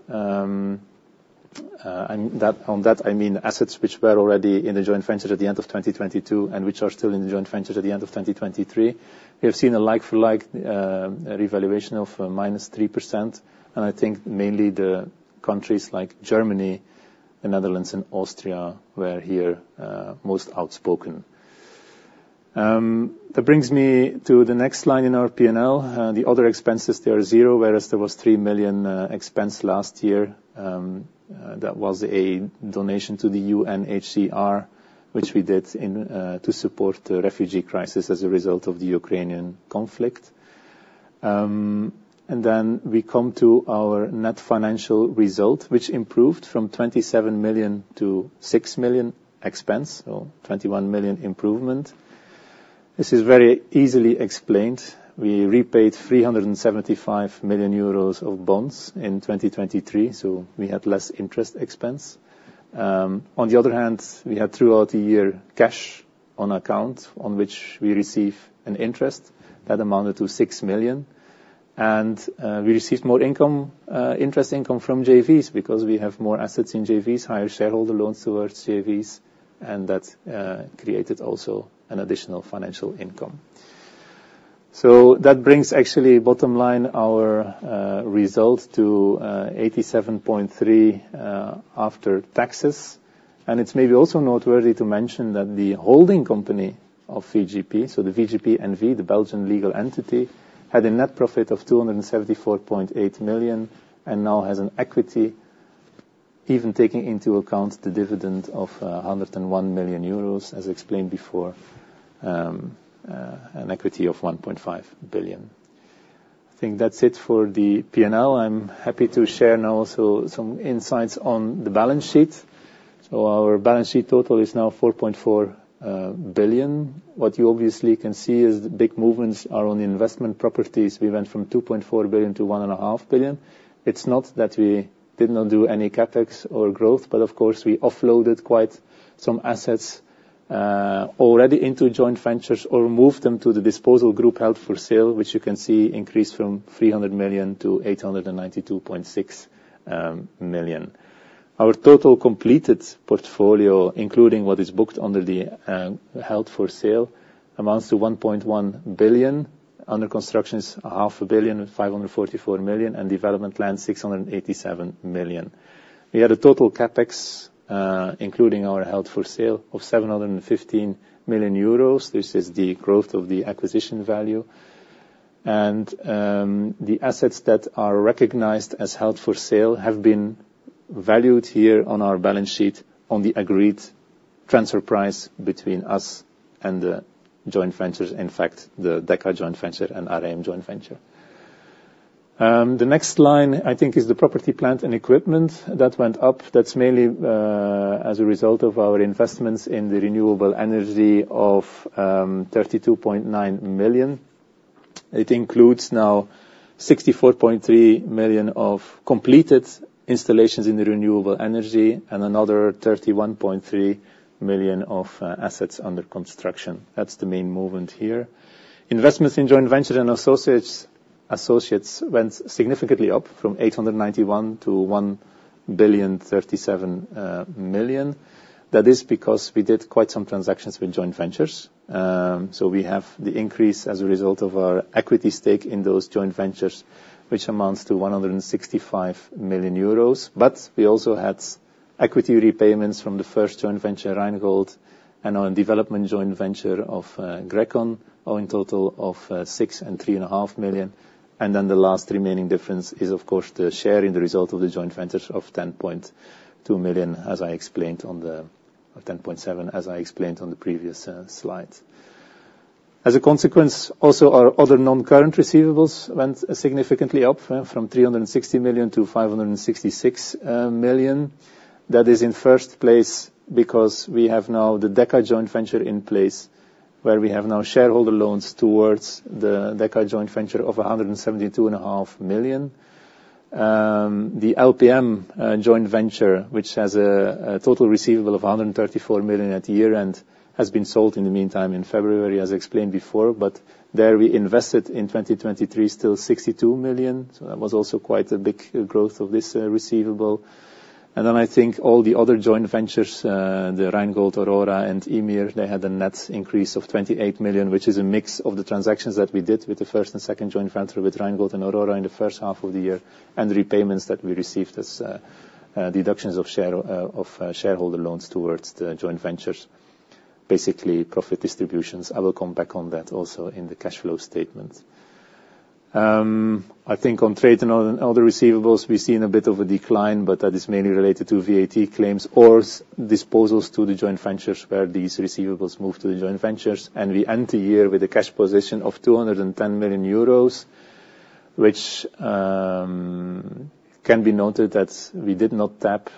and on that I mean assets which were already in the joint ventures at the end of 2022 and which are still in the joint ventures at the end of 2023, we have seen a like-for-like revaluation of -3%. And I think mainly the countries like Germany, the Netherlands, and Austria were here most outspoken. That brings me to the next line in our P&L: the other expenses, they are zero, whereas there was 3 million expense last year. That was a donation to the UNHCR, which we did to support the refugee crisis as a result of the Ukrainian conflict. And then we come to our net financial result, which improved from 27 million to 6 million expense, so 21 million improvement. This is very easily explained. We repaid 375 million euros of bonds in 2023. So we had less interest expense. On the other hand, we had, throughout the year, cash on account on which we receive an interest. That amounted to 6 million. And we received more interest income from JVs, because we have more assets in JVs, higher shareholder loans towards JVs. And that created also an additional financial income. So that brings, actually, bottom line, our result to 87.3 million after taxes. And it's maybe also noteworthy to mention that the holding company of VGP, so the VGP NV, the Belgian legal entity, had a net profit of 274.8 million and now has an equity, even taking into account the dividend of 101 million, euros, as explained before, an equity of 1.5 billion. I think that's it for the P&L. I'm happy to share now also some insights on the balance sheet. So our balance sheet total is now 4.4 billion. What you obviously can see is the big movements are on the investment properties. We went from 2.4 billion to 1.5 billion. It's not that we did not do any CapEx or growth. But, of course, we offloaded quite some assets, already into joint ventures or moved them to the disposal group held for sale, which you can see increased from 300 million to 892.6 million. Our total completed portfolio, including what is booked under the, held for sale, amounts to 1.1 billion. Under construction is 0.5 billion, 544 million, and development land 687 million. We had a total CapEx, including our held for sale, of 715 million euros. This is the growth of the acquisition value. The assets that are recognized as held for sale have been valued here on our balance sheet on the agreed transfer price between us and the joint ventures, in fact, the Deka joint venture and Areim joint venture. The next line, I think, is the property plant and equipment that went up. That's mainly as a result of our investments in the renewable energy of 32.9 million. It includes now 64.3 million of completed installations in the renewable energy and another 31.3 million of assets under construction. That's the main movement here. Investments in joint ventures and associates went significantly up, from 891 million to 1.037 million. That is because we did quite some transactions with joint ventures. So we have the increase as a result of our equity stake in those joint ventures, which amounts to 165 million euros. But we also had equity repayments from the first joint venture, Rheingold, and our development joint venture of Grecon, owing total of 6.00 million and 3.5 million. And then the last remaining difference is, of course, the share in the result of the joint ventures of 10.2 million, as I explained on the—or 10.7 million, as I explained on the previous slide. As a consequence, also, our other non-current receivables went significantly up, from 360 million to 566 million. That is, in first place, because we have now the Deka joint venture in place, where we have now shareholder loans towards the Deka joint venture of 172.5 million. The LPM joint venture, which has a total receivable of 134 million at year-end, has been sold in the meantime, in February, as explained before. But there, we invested in 2023 still 62 million. So that was also quite a big growth of this receivable. And then, I think, all the other joint ventures, the Rheingold, Aurora, and Ymer, they had a net increase of 28 million, which is a mix of the transactions that we did with the first and second joint venture with Rheingold and Aurora in the first half of the year, and repayments that we received as deductions of share of shareholder loans towards the joint ventures, basically profit distributions. I will come back on that also in the cash flow statement. I think, on trade and other receivables, we've seen a bit of a decline. But that is mainly related to VAT claims or disposals to the joint ventures, where these receivables move to the joint ventures. We end the year with a cash position of 210 million, euros, which can be noted that we did not tap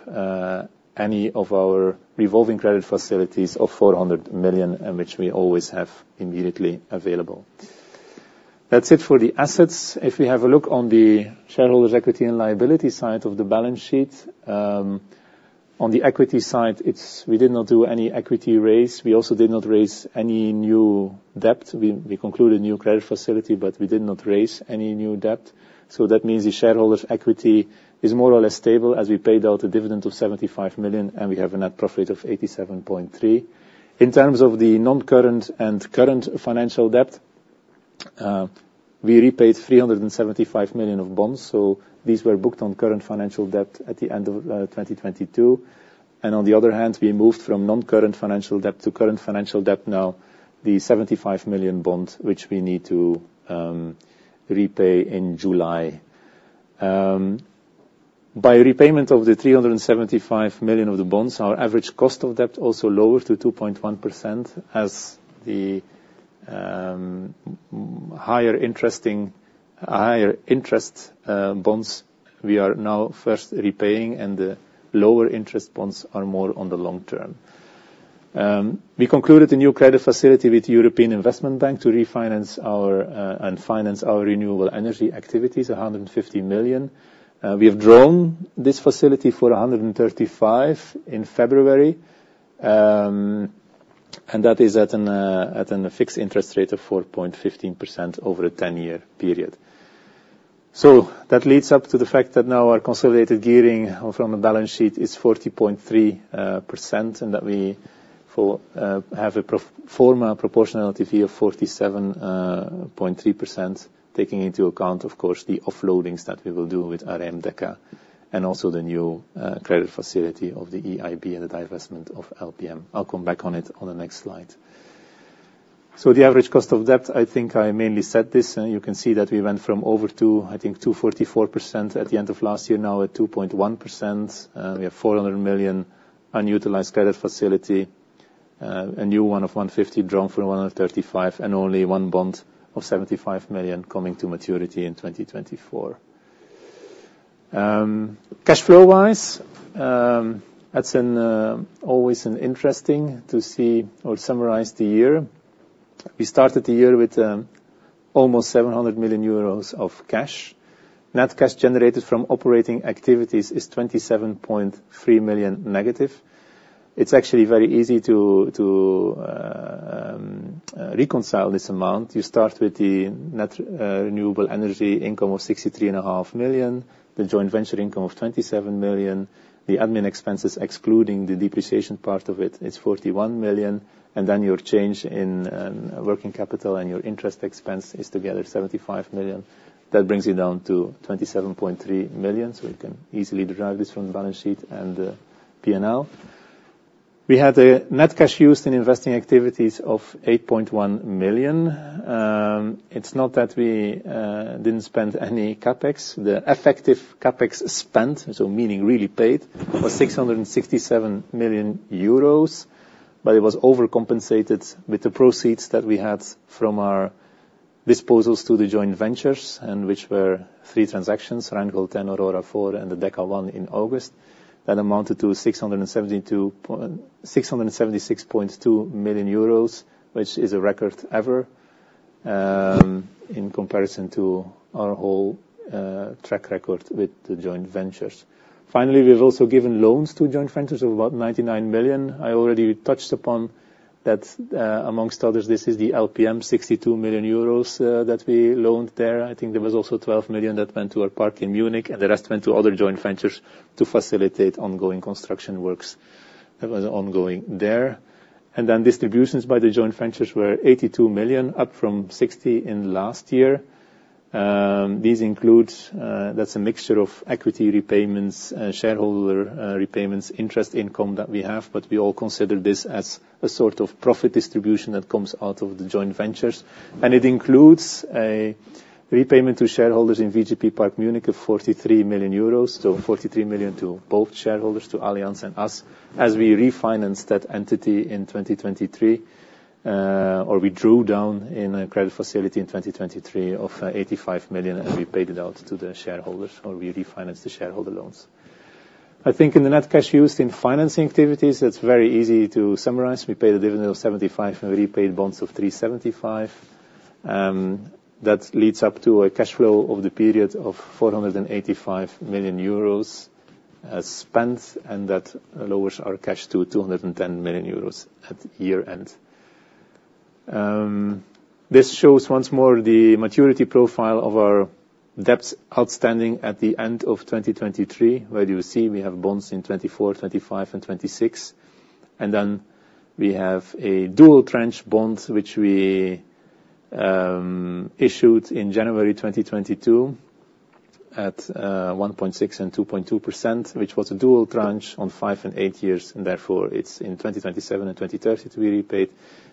any of our revolving credit facilities of 400 million, and which we always have immediately available. That's it for the assets. If we have a look on the shareholders' equity and liability side of the balance sheet: on the equity side, it's. We did not do any equity raise. We also did not raise any new debt. We concluded a new credit facility, but we did not raise any new debt. That means the shareholders' equity is more or less stable, as we paid out a dividend of 75 million and we have a net profit of 87.3 million. In terms of the non-current and current financial debt: we repaid 375 million of bonds. These were booked on current financial debt at the end of 2022. On the other hand, we moved from non-current financial debt to current financial debt, now the 75 million bond, which we need to repay in July. By repayment of the 375 million of the bonds, our average cost of debt also lowered to 2.1%, as the higher interest bonds we are now first repaying and the lower interest bonds are more on the long term. We concluded a new credit facility with the European Investment Bank to refinance our and finance our renewable energy activities, 150 million. We have drawn this facility for 135 million in February. That is at a fixed interest rate of 4.15% over a 10-year period. So that leads up to the fact that now our consolidated gearing from the balance sheet is 40.3% and that we have a pro forma proportionality here of 47.3%, taking into account, of course, the offloadings that we will do with our JV Deka and also the new credit facility of the EIB and the divestment of LPM. I'll come back on it on the next slide. So, the average cost of debt: I think I mainly said this. You can see that we went from over to, I think, 2.44% at the end of last year, now at 2.1%. We have 400 million unutilized credit facility, a new one of 150 million drawn for 135 million, and only one bond of 75 million coming to maturity in 2024. Cash flow-wise: that's always interesting to see or summarize the year. We started the year with almost 700 million euros of cash. Net cash generated from operating activities is 27.3 million negative. It's actually very easy to reconcile this amount. You start with the net renewable energy income of 63.5 million, the joint venture income of 27 million, the admin expenses, excluding the depreciation part of it, is 41 million. And then your change in working capital and your interest expense is together 75 million. That brings you down to 27.3 million. So you can easily derive this from the balance sheet and the P&L. We had a net cash used in investing activities of 8.1 million. It's not that we didn't spend any CapEx. The effective CapEx spent, so meaning really paid, was 667 million euros. But it was overcompensated with the proceeds that we had from our disposals to the joint ventures, and which were three transactions: Rheingold 10, Aurora 4, and the Deka 1 in August. That amounted to 676.2 million euros which is a record ever, in comparison to our whole track record with the joint ventures. Finally, we have also given loans to joint ventures of about 99 million. I already touched upon that, among others. This is the LPM, 62 million euros that we loaned there. I think there was also 12 million that went to our park in Munich, and the rest went to other joint ventures to facilitate ongoing construction works that were ongoing there. And then distributions by the joint ventures were 82 million, up from 60 million in last year. These include: that's a mixture of equity repayments, shareholder repayments, interest income that we have. But we all consider this as a sort of profit distribution that comes out of the joint ventures. It includes a repayment to shareholders in VGP Park München of 43 million euros so 43 million to both shareholders, to Allianz and us, as we refinanced that entity in 2023, or we drew down in a credit facility in 2023 of 85 million, and we paid it out to the shareholders, or we refinanced the shareholder loans. I think, in the net cash used in financing activities, that's very easy to summarize: we paid a dividend of 75 million and we repaid bonds of 375 million. That leads up to a cash flow of the period of 485 million euros as spent, and that lowers our cash to 210 million euros at year-end. This shows, once more, the maturity profile of our debts outstanding at the end of 2023, where you see we have bonds in 2024, 2025, and 2026. Then we have a dual-trench bond, which we issued in January 2022 at 1.6% and 2.2%, which was a dual-trench on five and eight years. And, therefore, it's in 2027 and 2030 that we repaid.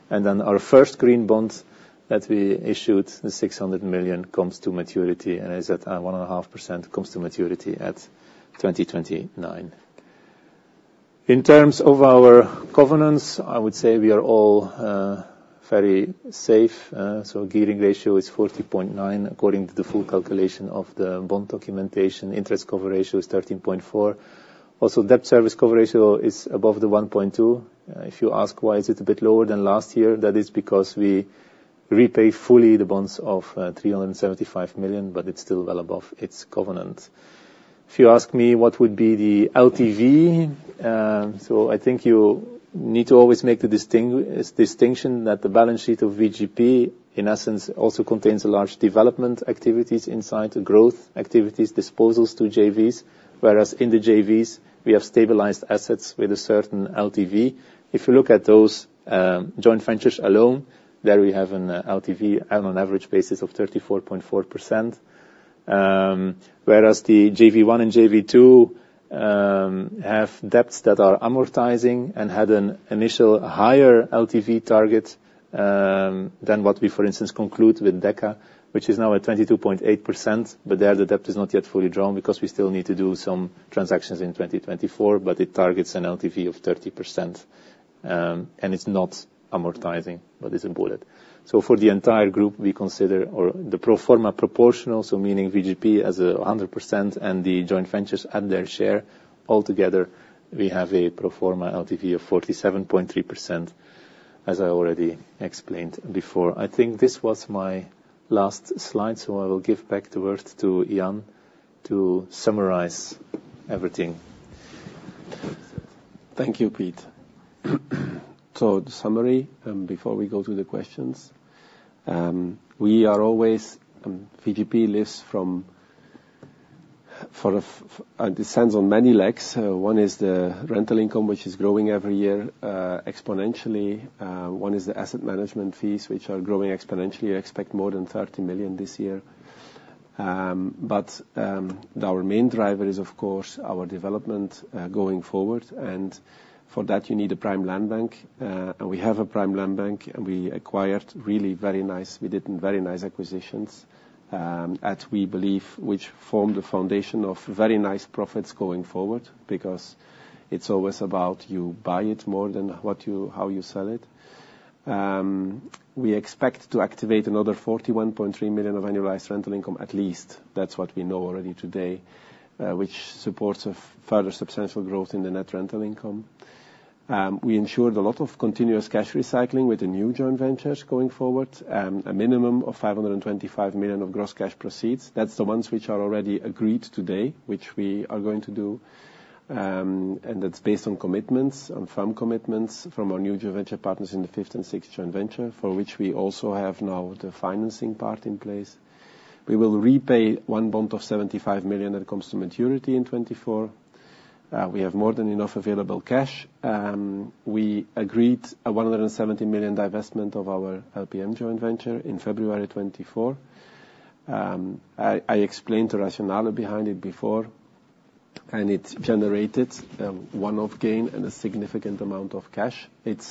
And then our first green bond that we issued, the 600 million, comes to maturity, and is at 1.5%, comes to maturity at 2029. In terms of our covenants, I would say we are all, very safe. So the gearing ratio is 40.9%, according to the full calculation of the bond documentation. Interest cover ratio is 13.4%. Also, debt service cover ratio is above the 1.2%. If you ask why it's a bit lower than last year, that is because we repay fully the bonds of 375 million, but it's still well above its covenant. If you ask me what would be the LTV, so I think you need to always make the distinction that the balance sheet of VGP, in essence, also contains large development activities inside, growth activities, disposals to JVs. Whereas, in the JVs, we have stabilized assets with a certain LTV. If you look at those, joint ventures alone, there we have an LTV on an average basis of 34.4%. Whereas, the JV 1 and JV 2 have debts that are amortizing and had an initial higher LTV target, than what we, for instance, conclude with Deka, which is now at 22.8%. But there, the debt is not yet fully drawn, because we still need to do some transactions in 2024. But it targets an LTV of 30%. And it's not amortizing, but it's a bullet. So, for the entire group, we consider, or the pro forma proportional, so meaning VGP as 100% and the joint ventures add their share, altogether we have a pro forma LTV of 47.3%, as I already explained before. I think this was my last slide. So, I will give back the word to Jan to summarize everything. Thank you, Piet. So, the summary, before we go to the questions: we are always. VGP lives from it stands on many legs. One is the rental income, which is growing every year exponentially. One is the asset management fees, which are growing exponentially. You expect more than 30 million this year. But our main driver is, of course, our development going forward. And for that, you need a prime land bank. We have a prime land bank, and we acquired really very nice—we did very nice acquisitions, as we believe—which formed the foundation of very nice profits going forward, because it's always about you buying it more than how you sell it. We expect to activate another 41.3 million of annualized rental income, at least. That's what we know already today, which supports further substantial growth in the net rental income. We ensured a lot of continuous cash recycling with the new joint ventures going forward, a minimum of 525 million of gross cash proceeds. That's the ones which are already agreed today, which we are going to do. That's based on commitments, on firm commitments, from our new joint venture partners in the fifth and sixth joint venture, for which we also have now the financing part in place. We will repay one bond of 75 million that comes to maturity in 2024. We have more than enough available cash. We agreed a 170 million divestment of our LPM joint venture in February 2024. I explained the rationale behind it before. It generated one-off gain and a significant amount of cash. It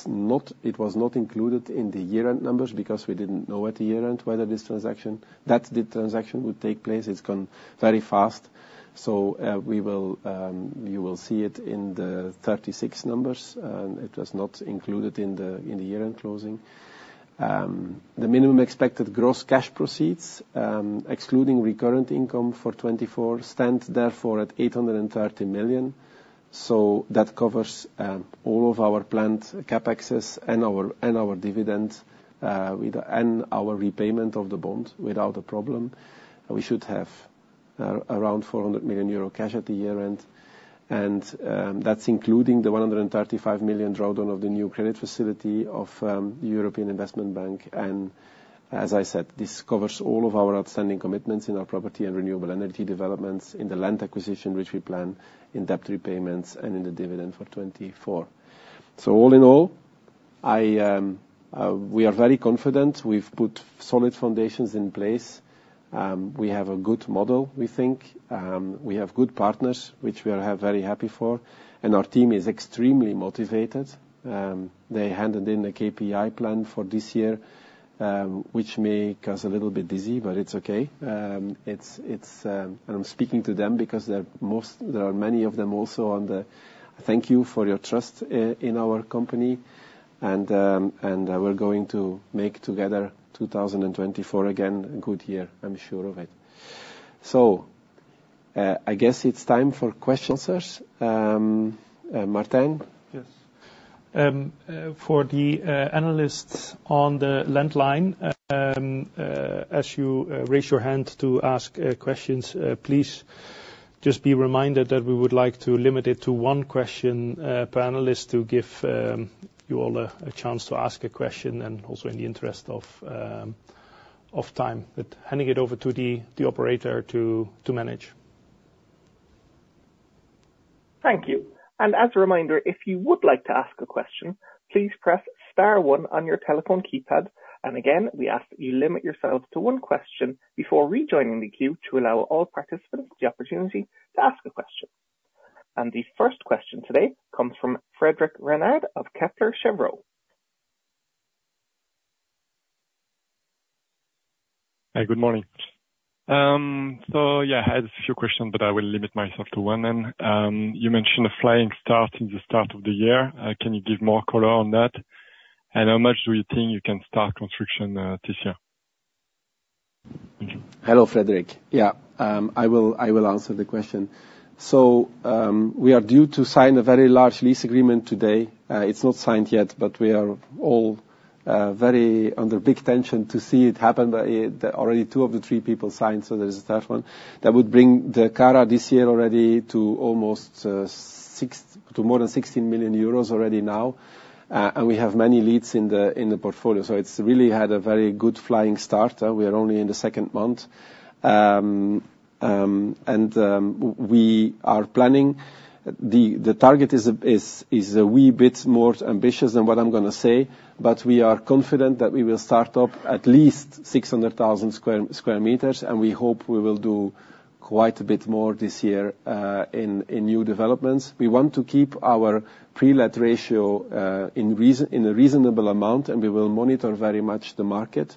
was not included in the year-end numbers, because we didn't know at the year-end whether this transaction—that the transaction would take place. It's gone very fast. You will see it in the 36 numbers. It was not included in the year-end closing. The minimum expected gross cash proceeds, excluding recurrent income for 2024, stand, therefore, at 830 million. That covers all of our planned CapExes and our dividends and our repayment of the bond without a problem. We should have around 400 million euro cash at the year-end. That's including the 135 million drawdown of the new credit facility of the European Investment Bank. As I said, this covers all of our outstanding commitments in our property and renewable energy developments, in the land acquisition which we plan, in debt repayments, and in the dividend for 2024. All in all, we are very confident. We've put solid foundations in place. We have a good model, we think. We have good partners, which we are very happy for. Our team is extremely motivated. They handed in a KPI plan for this year, which may cause a little bit dizzy, but it's okay. I'm speaking to them because there are many of them also on the, thank you for your trust in our company. We're going to make, together, 2024 again a good year, I'm sure of it. I guess it's time for questions and answers. Martijn? Yes. For the analysts on the landline: as you raise your hand to ask questions, please just be reminded that we would like to limit it to one question per analyst, to give you all a chance to ask a question, and also in the interest of time. But handing it over to the operator to manage. Thank you. And, as a reminder, if you would like to ask a question, please press star one on your telephone keypad. And, again, we ask that you limit yourselves to one question before rejoining the queue to allow all participants the opportunity to ask a question. And the first question today comes from Frédéric Renard of Kepler Cheuvreux. Hi, good morning. So, yeah, I had a few questions, but I will limit myself to one then. You mentioned a flying start in the start of the year. Can you give more color on that? How much do you think you can start construction this year? Hello, Frédéric. Yeah, I will answer the question. So, we are due to sign a very large lease agreement today. It's not signed yet, but we are all very under big tension to see it happen. But already, two of the three people signed, so there's a third one. That would bring the CARA this year already to almost 16 million euros already now. And we have many leads in the portfolio. So, it's really had a very good flying start. We are only in the second month. We are planning (the target is a wee bit more ambitious than what I'm going to say) but we are confident that we will start up at least 600,000 m². We hope we will do quite a bit more this year in new developments. We want to keep our pre-let ratio in a reasonable amount, and we will monitor very much the market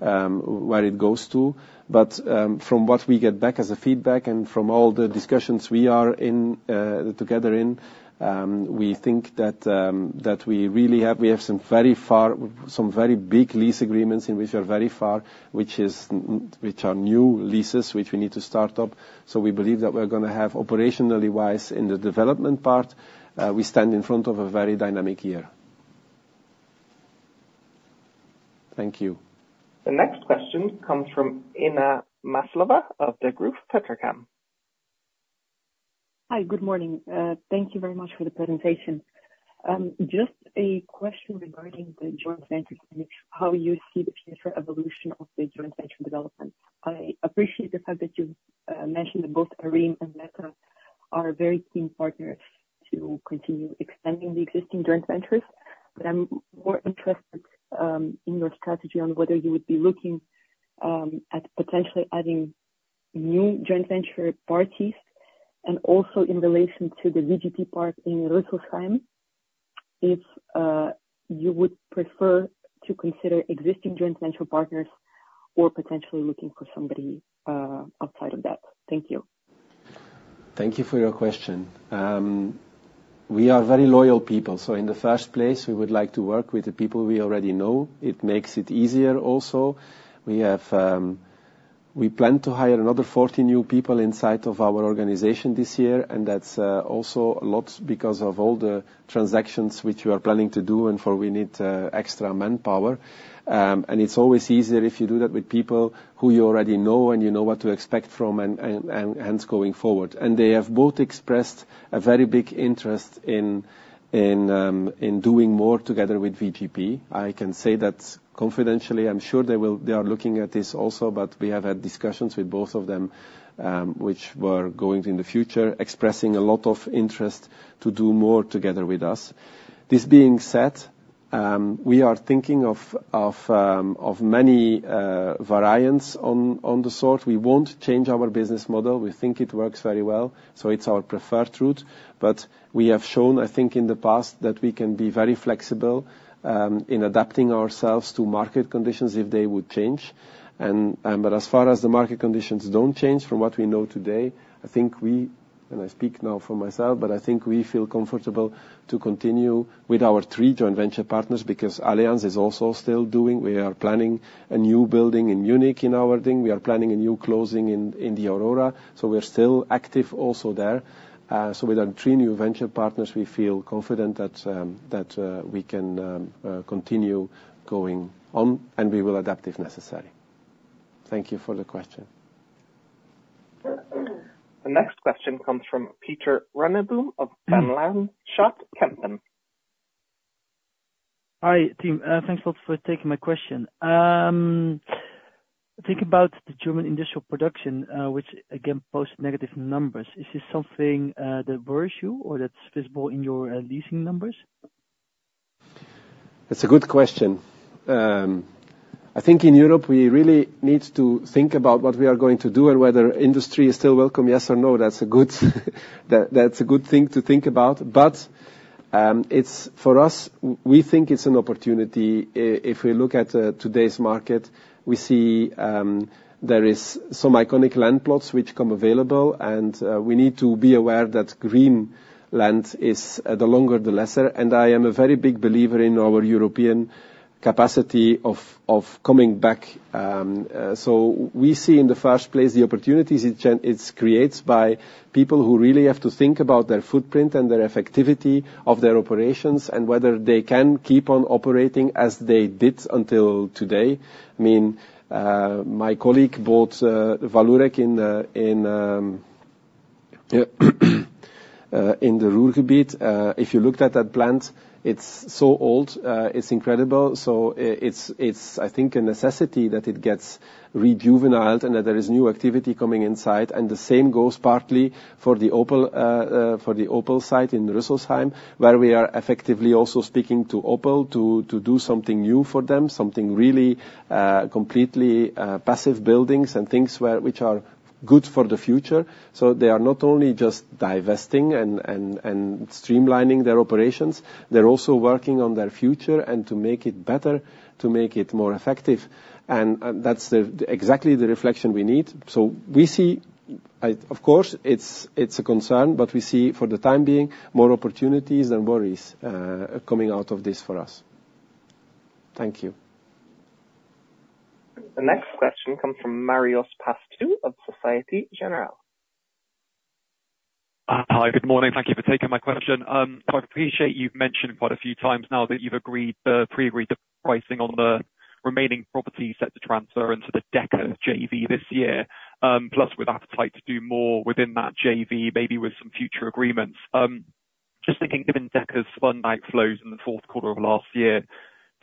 where it goes to. From what we get back as feedback and from all the discussions we are together in, we think that we really have some very big lease agreements in which we are very far, which are new leases which we need to start up. So, we believe that we're going to have, operationally-wise, in the development part, we stand in front of a very dynamic year. Thank you. The next question comes from Inna Maslova of Degroof Petercam. Hi, good morning. Thank you very much for the presentation. Just a question regarding the joint venture: how do you see the future evolution of the joint venture development? I appreciate the fact that you mentioned that both Areim and Metro are very keen partners to continue extending the existing joint ventures. But I'm more interested in your strategy on whether you would be looking at potentially adding new joint venture parties. And also, in relation to the VGP Park in Rüsselsheim, if you would prefer to consider existing joint venture partners or potentially looking for somebody outside of that. Thank you. Thank you for your question. We are very loyal people. So, in the first place, we would like to work with the people we already know. It makes it easier, also. We plan to hire another 40 new people inside of our organization this year. And that's also a lot because of all the transactions which we are planning to do, and for which we need extra manpower. It's always easier if you do that with people who you already know and you know what to expect from, hence, going forward. They have both expressed a very big interest in doing more together with VGP. I can say that confidentially. I'm sure they are looking at this also, but we have had discussions with both of them, which were going in the future, expressing a lot of interest to do more together with us. This being said, we are thinking of many variants on the sort. We won't change our business model. We think it works very well, so it's our preferred route. We have shown, I think, in the past that we can be very flexible in adapting ourselves to market conditions if they would change. But, as far as the market conditions don't change, from what we know today, I think we, and I speak now for myself, but I think we feel comfortable to continue with our three joint venture partners, because Allianz is also still doing, we are planning a new building in Munich in our thing, we are planning a new closing in the Aurora. So, we're still active also there. So, with our three new venture partners, we feel confident that we can continue going on, and we will adapt if necessary. Thank you for the question. The next question comes from Pieter Runneboom of Van Lanschot Kempen. Hi, team. Thanks a lot for taking my question. Thinking about the German industrial production, which, again, posts negative numbers, is this something that worries you, or that's visible in your leasing numbers? That's a good question. I think, in Europe, we really need to think about what we are going to do and whether industry is still welcome, yes or no. That's a good thing to think about. But, for us, we think it's an opportunity. If we look at today's market, we see there are some iconic land plots which come available. And we need to be aware that green land is the longer the lesser. And I am a very big believer in our European capacity of coming back. So, we see, in the first place, the opportunities it creates by people who really have to think about their footprint and the effectivity of their operations, and whether they can keep on operating as they did until today. I mean, my colleague bought Vallourec in the Ruhrgebiet. If you looked at that plant, it's so old. It's incredible. So, it's, I think, a necessity that it gets rejuvenated and that there is new activity coming inside. And the same goes partly for the Opel site in Rüsselsheim, where we are effectively also speaking to Opel to do something new for them, something really completely passive buildings and things which are good for the future. So, they are not only just divesting and streamlining their operations, they're also working on their future and to make it better, to make it more effective. And that's exactly the reflection we need. So, we see, of course, it's a concern, but we see, for the time being, more opportunities than worries coming out of this for us. Thank you. The next question comes from Marios Pastou of Société Générale. Hi, good morning. Thank you for taking my question. I appreciate you've mentioned quite a few times now that you've pre-agreed the pricing on the remaining property set to transfer into the Deka JV this year, plus with appetite to do more within that JV, maybe with some future agreements. Just thinking, given Deka's fund outflows in the fourth quarter of last year,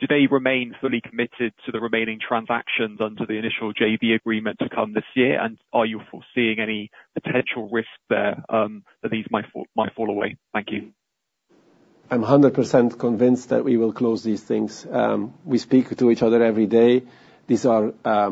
do they remain fully committed to the remaining transactions under the initial JV agreement to come this year? And are you foreseeing any potential risk there that these might fall away? Thank you. I'm 100% convinced that we will close these things. We speak to each other every day. These are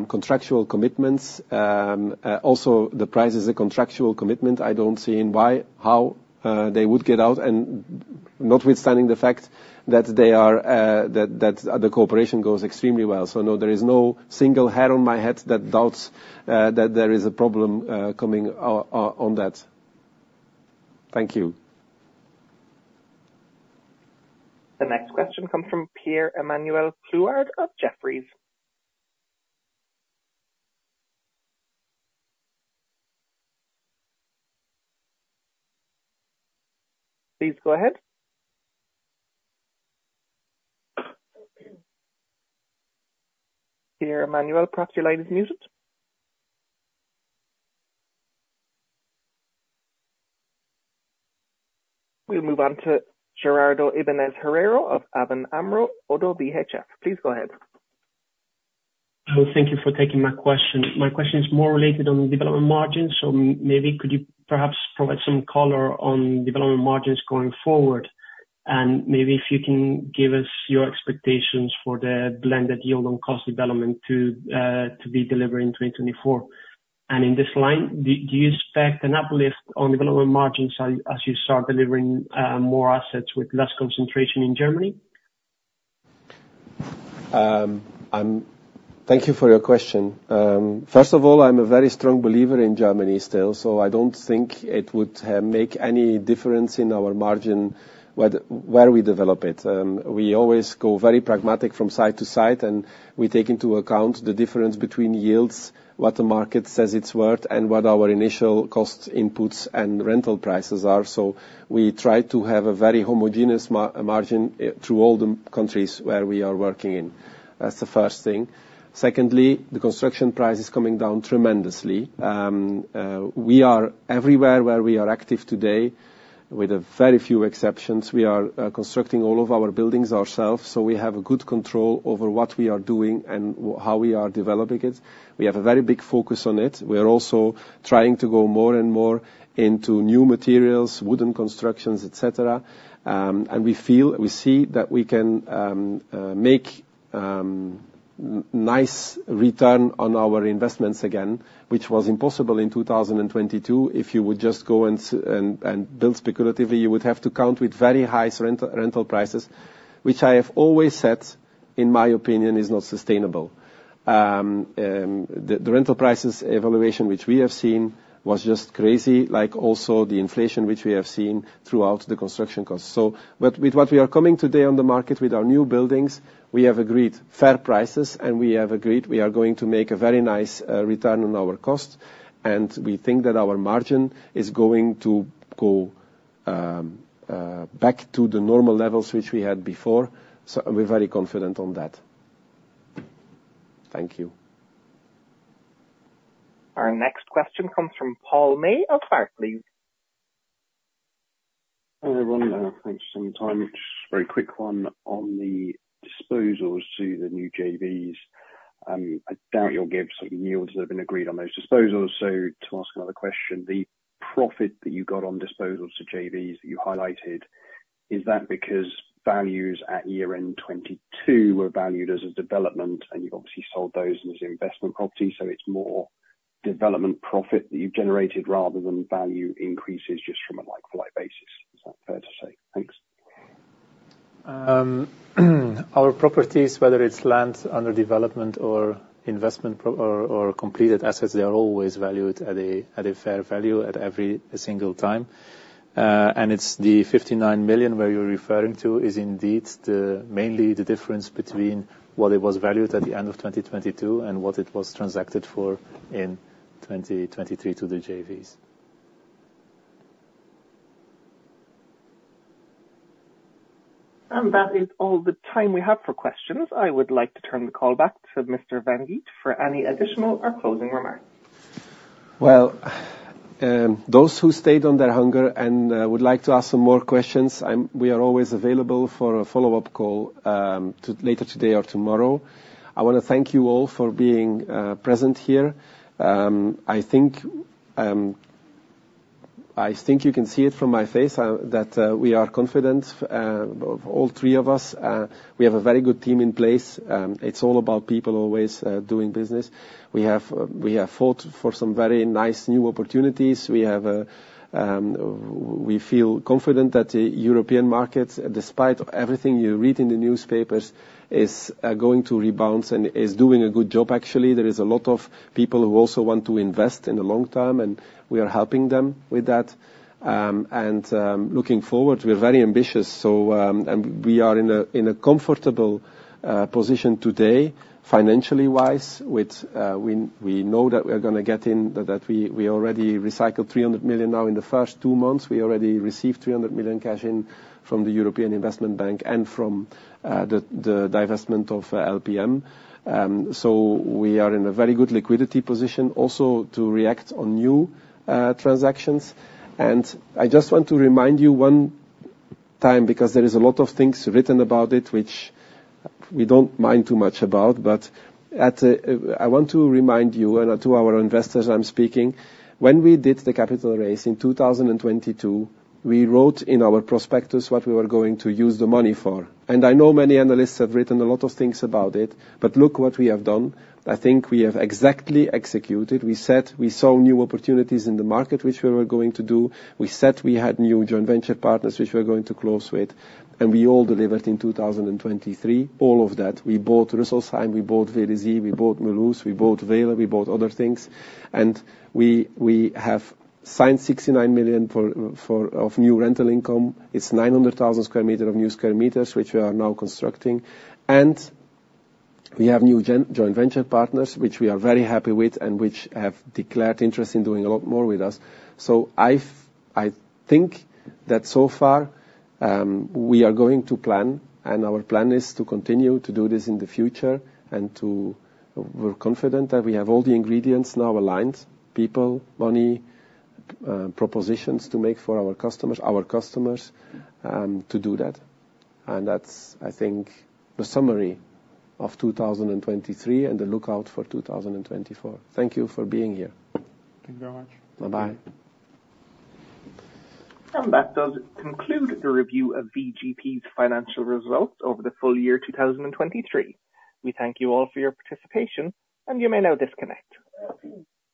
contractual commitments. Also, the price is a contractual commitment. I don't see why, how they would get out, and notwithstanding the fact that the cooperation goes extremely well. So, no, there is no single hair on my head that doubts that there is a problem coming on that. Thank you. The next question comes from Pierre-Emmanuel Clouard of Jefferies. Please go ahead. Pierre-Emmanuel, perhaps your line is muted. We'll move on to Gerardo Ibañez Herrero of ABN AMRO ODDO BHF. Please go ahead. Thank you for taking my question. My question is more related on development margins. So, maybe could you perhaps provide some color on development margins going forward? And maybe if you can give us your expectations for the blended yield on cost development to be delivered in 2024. And, in this line, do you expect an uplift on development margins as you start delivering more assets with less concentration in Germany? Thank you for your question. First of all, I'm a very strong believer in Germany still, so I don't think it would make any difference in our margin where we develop it. We always go very pragmatic from site to site, and we take into account the difference between yields, what the market says it's worth, and what our initial cost inputs and rental prices are. So, we try to have a very homogeneous margin through all the countries where we are working in. That's the first thing. Secondly, the construction price is coming down tremendously. We are everywhere where we are active today, with very few exceptions. We are constructing all of our buildings ourselves, so we have a good control over what we are doing and how we are developing it. We have a very big focus on it. We are also trying to go more and more into new materials, wooden constructions, etc.. And we see that we can make a nice return on our investments again, which was impossible in 2022. If you would just go and build speculatively, you would have to count with very high rental prices, which I have always said, in my opinion, is not sustainable. The rental prices evaluation which we have seen was just crazy, like also the inflation which we have seen throughout the construction costs. So, with what we are coming today on the market with our new buildings, we have agreed fair prices, and we have agreed we are going to make a very nice return on our costs. And we think that our margin is going to go back to the normal levels which we had before. So, we're very confident on that. Thank you. Our next question comes from Paul May of Barclays. Hi, everyone. Thanks for taking the time. Just a very quick one on the disposals to the new JVs. I doubt you'll give some yields that have been agreed on those disposals. So, to ask another question, the profit that you got on disposals to JVs that you highlighted, is that because values at year-end 2022 were valued as a development, and you've obviously sold those as investment properties? So, it's more development profit that you've generated rather than value increases just from a life-to-life basis? Is that fair to say? Thanks. Our properties, whether it's land under development or completed assets, they are always valued at a fair value at every single time. And the 59 million where you're referring to is, indeed, mainly the difference between what it was valued at the end of 2022 and what it was transacted for in 2023 to the JVs. And that is all the time we have for questions. I would like to turn the call back to Mr. Van Geet for any additional or closing remarks. Well, those who stayed on their hunger and would like to ask some more questions, we are always available for a follow-up call later today or tomorrow. I want to thank you all for being present here. I think you can see it from my face that we are confident, all three of us. We have a very good team in place. It's all about people always doing business. We have fought for some very nice new opportunities. We feel confident that the European market, despite everything you read in the newspapers, is going to rebound and is doing a good job, actually. There are a lot of people who also want to invest in the long term, and we are helping them with that. Looking forward, we're very ambitious. We are in a comfortable position today, financially-wise. We know that we're going to get in, that we already recycled 300 million now in the first two months. We already received 300 million cash in from the European Investment Bank and from the divestment of LPM. We are in a very good liquidity position, also, to react on new transactions. I just want to remind you one time, because there are a lot of things written about it which we don't mind too much about, but I want to remind you and to our investors—I'm speaking—when we did the capital raise in 2022, we wrote in our prospectus what we were going to use the money for. And I know many analysts have written a lot of things about it, but look what we have done. I think we have exactly executed. We said we saw new opportunities in the market which we were going to do. We said we had new joint venture partners which we were going to close with. And we all delivered in 2023, all of that. We bought Rüsselsheim, we bought Vélizy, we bought Mulhouse, we bought Weiler, we bought other things. And we have signed 69 million of new rental income. It's 900,000 m² of new square meters which we are now constructing. We have new joint venture partners which we are very happy with and which have declared interest in doing a lot more with us. So, I think that, so far, we are going to plan, and our plan is to continue to do this in the future. We're confident that we have all the ingredients now aligned: people, money, propositions to make for our customers, our customers, to do that. That's, I think, the summary of 2023 and the outlook for 2024. Thank you for being here. Thank you very much. Bye-bye. That does conclude the review of VGP's financial results over the full year 2023. We thank you all for your participation, and you may now disconnect.